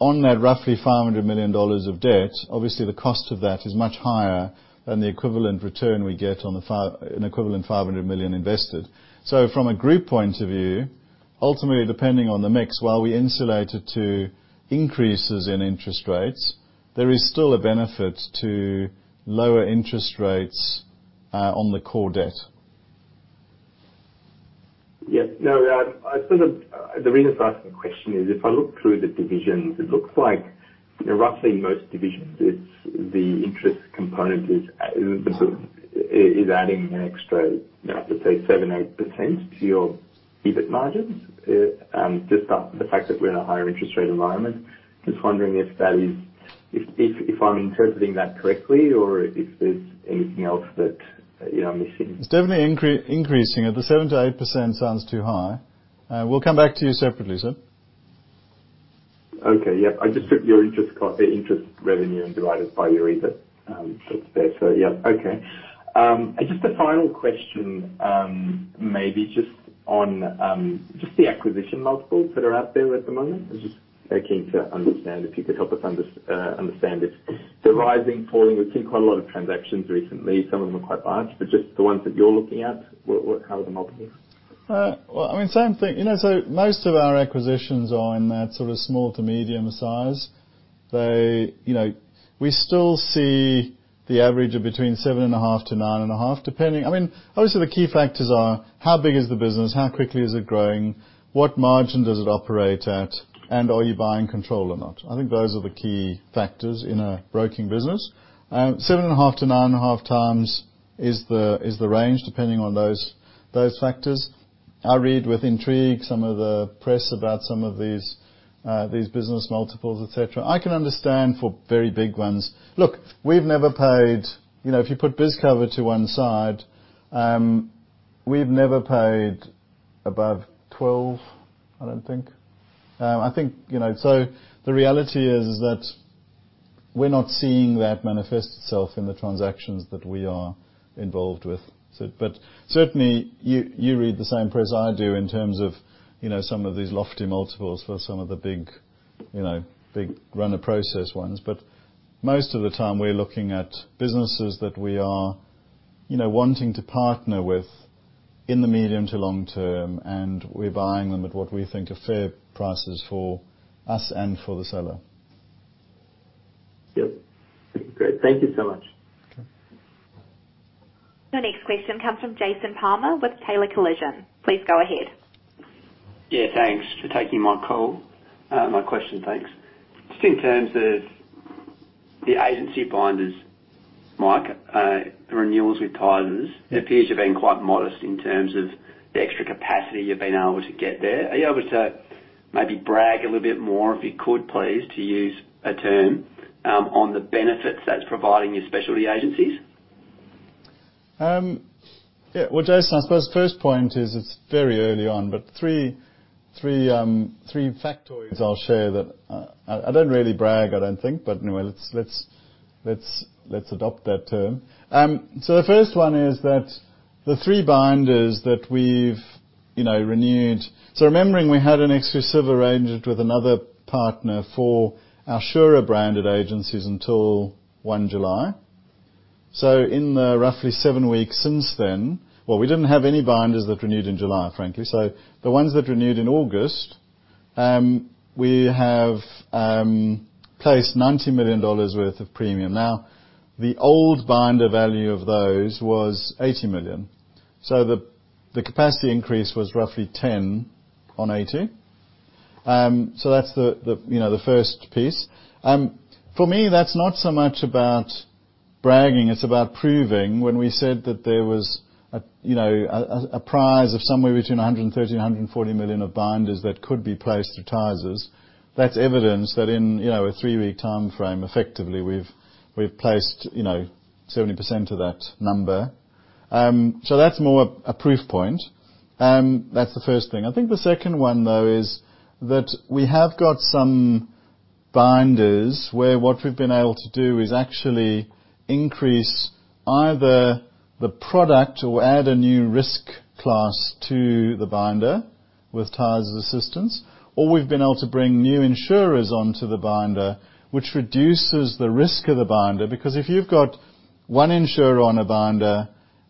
on that roughly 500 million dollars of debt, obviously the cost of that is much higher than the equivalent return we get on an equivalent 500 million invested. So from a group point of view, ultimately, depending on the mix, while we insulate it to increases in interest rates, there is still a benefit to lower interest rates, on the core debt. Yeah. Now, I sort of. The reason for asking the question is, if I look through the divisions, it looks like roughly most divisions, it's the interest component is, is, is adding an extra, let's say, 7-8% to your EBIT margins, just off the fact that we're in a higher interest rate environment. Just wondering if that is, if, if I'm interpreting that correctly or if there's anything else that, you know, I'm missing. It's definitely increasing. The 7%-8% sounds too high. We'll come back to you separately, sir. Okay. Yeah, I just took your interest cost, the interest revenue, and divided by your EBIT, so yeah. Okay. Just a final question, maybe just on just the acquisition multiples that are out there at the moment. I'm just keen to understand, if you could help us understand if they're rising, falling. We've seen quite a lot of transactions recently. Some of them are quite large, just the ones that you're looking at, what, what, how are the multiples? Well, I mean, same thing. You know, most of our acquisitions are in that sort of small to medium size. They, you know, we still see the average of between 7.5 to 9.5, depending. I mean, obviously, the key factors are: How big is the business? How quickly is it growing? What margin does it operate at? Are you buying control or not? I think those are the key factors in a broking business. 7.5-9.5 times is the, is the range, depending on those, those factors. I read with intrigue some of the press about some of these business multiples, et cetera. I can understand for very big ones. Look, we've never paid... You know, if you put Bizcover to one side, we've never paid above 12, I don't think. I think, you know, the reality is, is that we're not seeing that manifest itself in the transactions that we are involved with. Certainly you, you read the same press I do in terms of, you know, some of these lofty multiples for some of the big, you know, big runner process ones. Most of the time, we're looking at businesses that we are, you know, wanting to partner with in the medium to long term, and we're buying them at what we think are fair prices for us and for the seller. Yep. Great. Thank you so much. Okay. Your next question comes from Jason Palmer with Taylor Collison. Please go ahead. Yeah, thanks for taking my call. My question, thanks. Just in terms of the agency binders, Mike, the renewals with Tysers, it appears you're being quite modest in terms of the extra capacity you've been able to get there. Are you able to maybe brag a little bit more, if you could please, to use a term, on the benefits that's providing your specialty agencies? Yeah. Well, Jason, I suppose the first point is it's very early on, but 3, 3, 3 factors I'll share that I don't really brag, I don't think, but anyway, let's, let's, let's, let's adopt that term. The first one is that the 3 binders that we've, you know, renewed. Remembering we had an exclusive arrangement with another partner for our SURA branded agencies until 1 July. In the roughly 7 weeks since then, well, we didn't have any binders that renewed in July, frankly. The ones that renewed in August, we have placed 90 million dollars worth of premium. Now, the old binder value of those was 80 million, the, the capacity increase was roughly 10 on 80. That's the, the, you know, the first piece. For me, that's not so much about bragging, it's about proving. When we said that there was a, you know, a, a, prize of somewhere between 130 million and 140 million of binders that could be placed through Tysers, that's evidence that in, you know, a three-week time frame, effectively, we've, we've placed, you know, 70% of that number. So that's more a proof point. That's the first thing. I think the second one, though, is that we have got some binders, where what we've been able to do is actually increase either the product or add a new risk class to the binder with Tysers assistance, or we've been able to bring new insurers onto the binder, which reduces the risk of the binder. Because if you've got 1 insurer on a binder,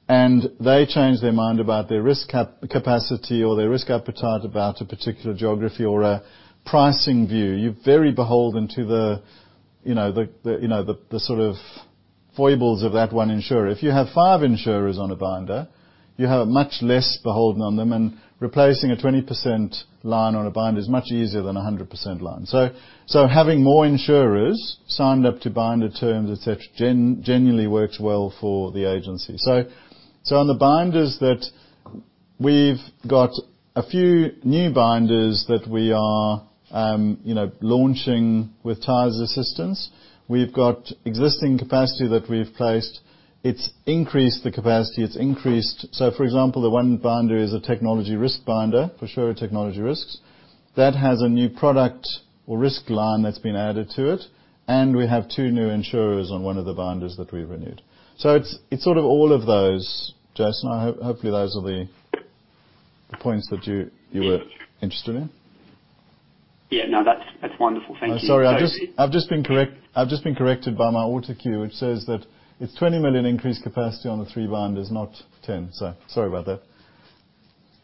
and they change their mind about their risk capacity or their risk appetite about a particular geography or a pricing view, you're very beholden to the, you know, the, the, you know, the, the sort of foibles of that 1 insurer. If you have 5 insurers on a binder, you have a much less beholden on them, and replacing a 20% line on a binder is much easier than a 100% line. Having more insurers signed up to binder terms, et cetera, genuinely works well for the agency. On the binders that we've got a few new binders that we are, you know, launching with Tysers assistance. We've got existing capacity that we've placed. It's increased the capacity, it's increased. For example, the one binder is a technology risk binder for sure technology risks. That has a new product or risk line that's been added to it, and we have two new insurers on one of the binders that we've renewed. It's, it's sort of all of those, Jason. Hopefully, those are the, the points that you, you were interested in. Yeah. No, that's, that's wonderful. Thank you. I'm sorry. I've just been corrected by my autocue, which says that it's 20 million increased capacity on the 3 binders, not 10. Sorry about that.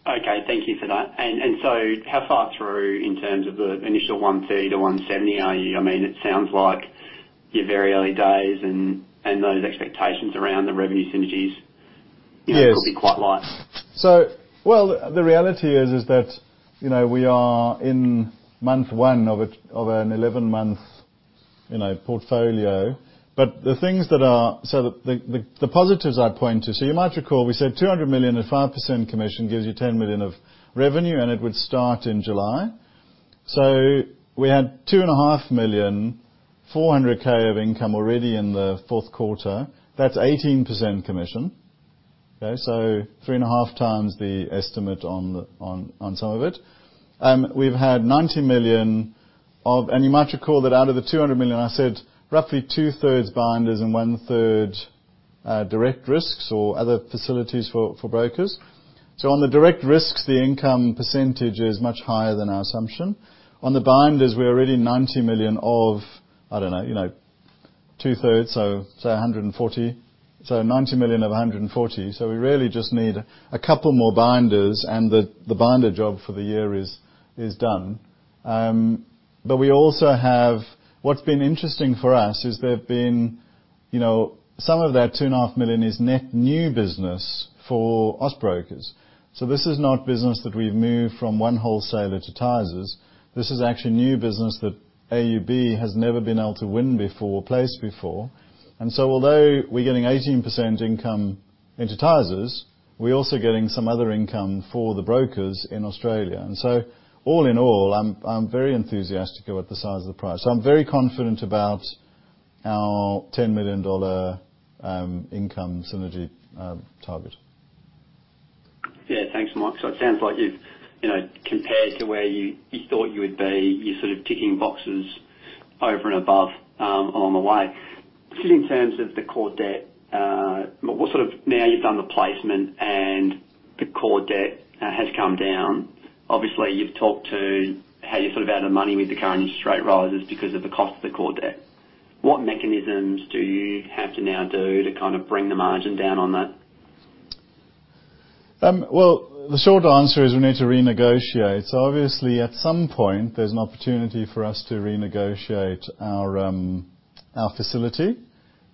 Okay, thank you for that. So how far through in terms of the initial 130-170 are you? I mean, it sounds like you're very early days, and those expectations around the revenue synergies. Yes. You know, could be quite light. Well, the reality is, is that, you know, we are in month one of an 11-month, you know, portfolio. The things that are... The positives I point to, so you might recall, we said 200 million and 5% commission gives you 10 million of revenue, and it would start in July. We had 2.5 million, 400,000 of income already in the fourth quarter. That's 18% commission. Okay, so 3.5 times the estimate on some of it. We've had 90 million of. You might recall that out of the 200 million, I said roughly two-thirds binders and one-third direct risks or other facilities for brokers. On the direct risks, the income percentage is much higher than our assumption. On the binders, we're already 90 million of, I don't know, 2/3, so say 140 million. 90 million of 140 million. We really just need a couple more binders, and the binder job for the year is done. We also have... What's been interesting for us is there have been some of that 2.5 million is net new business for Aus Brokers. This is not business that we've moved from one wholesaler to Tysers. This is actually new business that AUB has never been able to win before, place before. Although we're getting 18% income into Tysers, we're also getting some other income for the brokers in Australia. All in all, I'm very enthusiastic about the size of the price. I'm very confident about our 10 million dollar income synergy target. Yeah. Thanks, Mike. It sounds like you've, you know, compared to where you, you thought you would be, you're sort of ticking boxes over and above along the way. Just in terms of the core debt, what sort of. Now, you've done the placement and the core debt has come down. Obviously, you've talked to how you're sort of out of money with the current interest rate rises because of the cost of the core debt. What mechanisms do you have to now do to kind of bring the margin down on that? Well, the short answer is we need to renegotiate. Obviously, at some point, there's an opportunity for us to renegotiate our facility.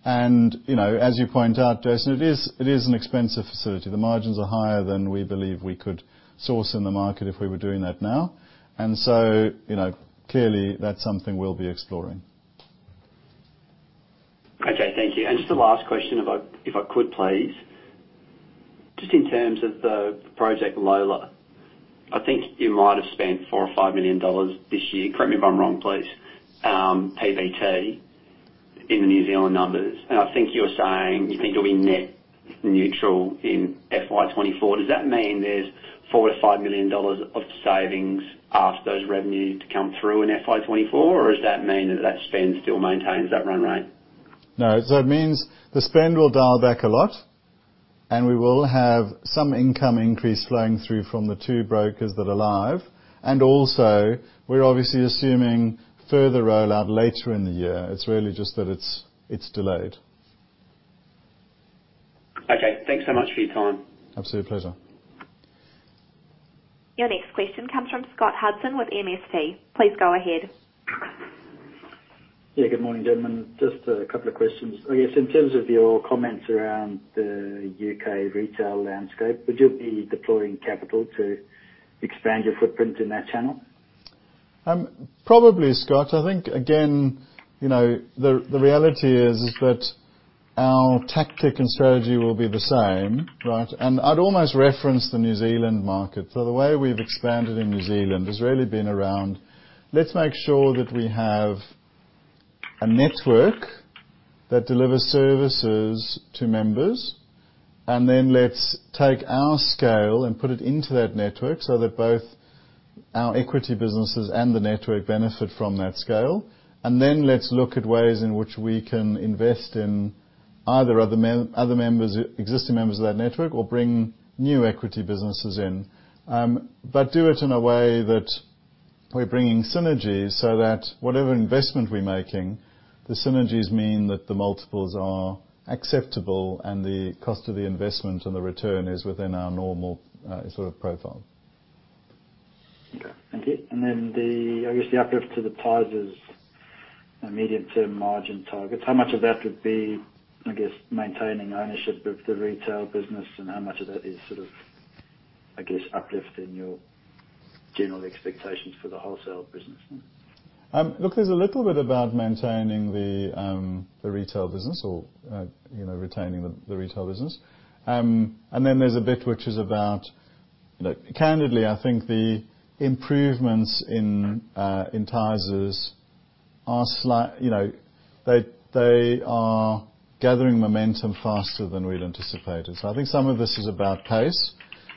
You know, as you point out, Jason, it is, it is an expensive facility. The margins are higher than we believe we could source in the market if we were doing that now. You know, clearly, that's something we'll be exploring. Okay. Thank you. Just the last question, if I, if I could, please. Just in terms of the Project Lola, I think you might have spent 4 million-5 million dollars this year, correct me if I'm wrong, please, PBT, in the New Zealand numbers, and I think you were saying you think you'll be net neutral in FY24. Does that mean there's 4 million-5 million dollars of savings after those revenues to come through in FY24, or does that mean that that spend still maintains that run rate? No, it means the spend will dial back a lot, and we will have some income increase flowing through from the two brokers that are live. Also, we're obviously assuming further rollout later in the year. It's really just that it's, it's delayed. Okay. Thanks so much for your time. Absolute pleasure. Your next question comes from Scott Hudson with MST. Please go ahead. Yeah, good morning, gentlemen. Just a couple of questions. I guess, in terms of your comments around the UK retail landscape, would you be deploying capital to expand your footprint in that channel? Probably, Scott. I think, again, you know, the, the reality is, is that our tactic and strategy will be the same, right? I'd almost reference the New Zealand market. The way we've expanded in New Zealand has really been around, let's make sure that we have a network that delivers services to members, let's take our scale and put it into that network so that both our equity businesses and the network benefit from that scale. Let's look at ways in which we can invest in either other members, existing members of that network, or bring new equity businesses in. Do it in a way that we're bringing synergies so that whatever investment we're making, the synergies mean that the multiples are acceptable and the cost of the investment and the return is within our normal sort of profile. Okay, thank you. Then the, I guess, the uplift to the Tysers' medium-term margin targets, how much of that would be, I guess, maintaining ownership of the retail business, and how much of that is sort of, I guess, uplifting your general expectations for the wholesale business? Look, there's a little bit about maintaining the retail business or, you know, retaining the retail business. Then there's a bit which is about. Look, candidly, I think the improvements in Tysers are slight. You know, they, they are gathering momentum faster than we'd anticipated. I think some of this is about pace.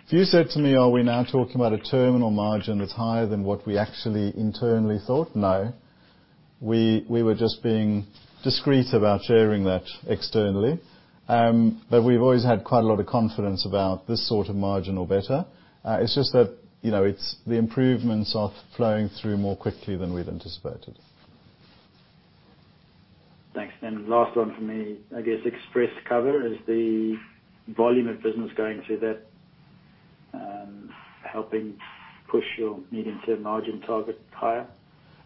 If you said to me, are we now talking about a terminal margin that's higher than what we actually internally thought? No. We, we were just being discreet about sharing that externally. We've always had quite a lot of confidence about this sort of margin or better. It's just that, you know, it's, the improvements are flowing through more quickly than we'd anticipated. Thanks. Last one for me. I guess, Express Cover, is the volume of business going through that, helping push your medium-term margin target higher?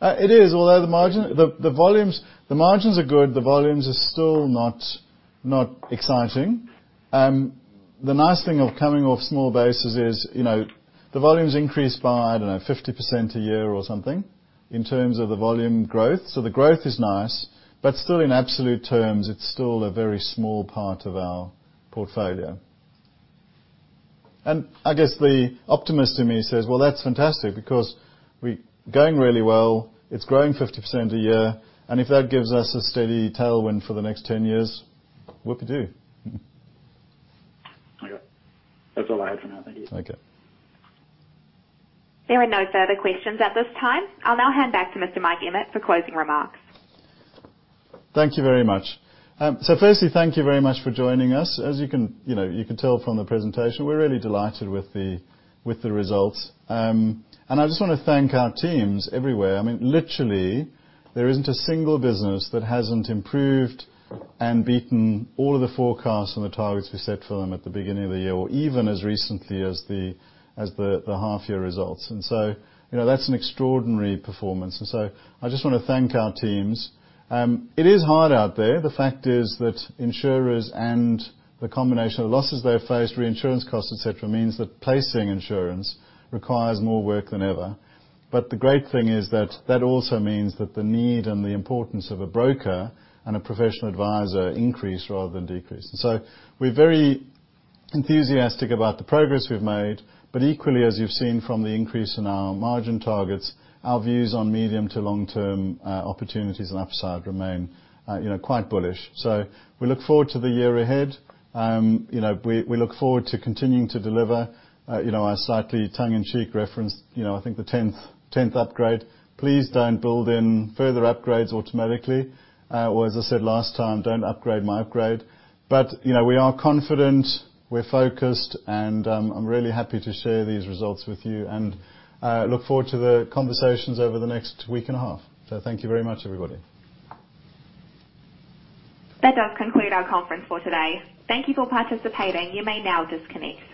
It is. Although the margin, the volumes... The margins are good, the volumes are still not, not exciting. The nice thing of coming off small bases is, you know, the volumes increased by, I don't know, 50% a year or something in terms of the volume growth. The growth is nice, but still, in absolute terms, it's still a very small part of our portfolio. I guess the optimist in me says, "Well, that's fantastic, because we're going really well. It's growing 50% a year, and if that gives us a steady tailwind for the next 10 years, whoop-de-doo! Okay. That's all I have for now. Thank you. Okay. There are no further questions at this time. I'll now hand back to Mr. Mike Emmett for closing remarks. Thank you very much. Firstly, thank you very much for joining us. As you can, you know, you can tell from the presentation, we're really delighted with the, with the results. I just want to thank our teams everywhere. I mean, literally, there isn't a single business that hasn't improved and beaten all of the forecasts and the targets we set for them at the beginning of the year, or even as recently as the, as the, the half year results. So, you know, that's an extraordinary performance, and so I just want to thank our teams. It is hard out there. The fact is that insurers and the combination of losses they have faced, reinsurance costs, et cetera, means that placing insurance requires more work than ever. The great thing is that, that also means that the need and the importance of a broker and a professional advisor increase rather than decrease. We're very enthusiastic about the progress we've made, but equally, as you've seen from the increase in our margin targets, our views on medium to long-term opportunities and upside remain, you know, quite bullish. We look forward to the year ahead. You know, we, we look forward to continuing to deliver, you know, our slightly tongue-in-cheek reference, you know, I think the 10th, 10th upgrade. Please don't build in further upgrades automatically, or as I said last time, don't upgrade my upgrade. You know, we are confident, we're focused, and, I'm really happy to share these results with you, and, I look forward to the conversations over the next week and a half. Thank you very much, everybody. That does conclude our conference for today. Thank you for participating. You may now disconnect.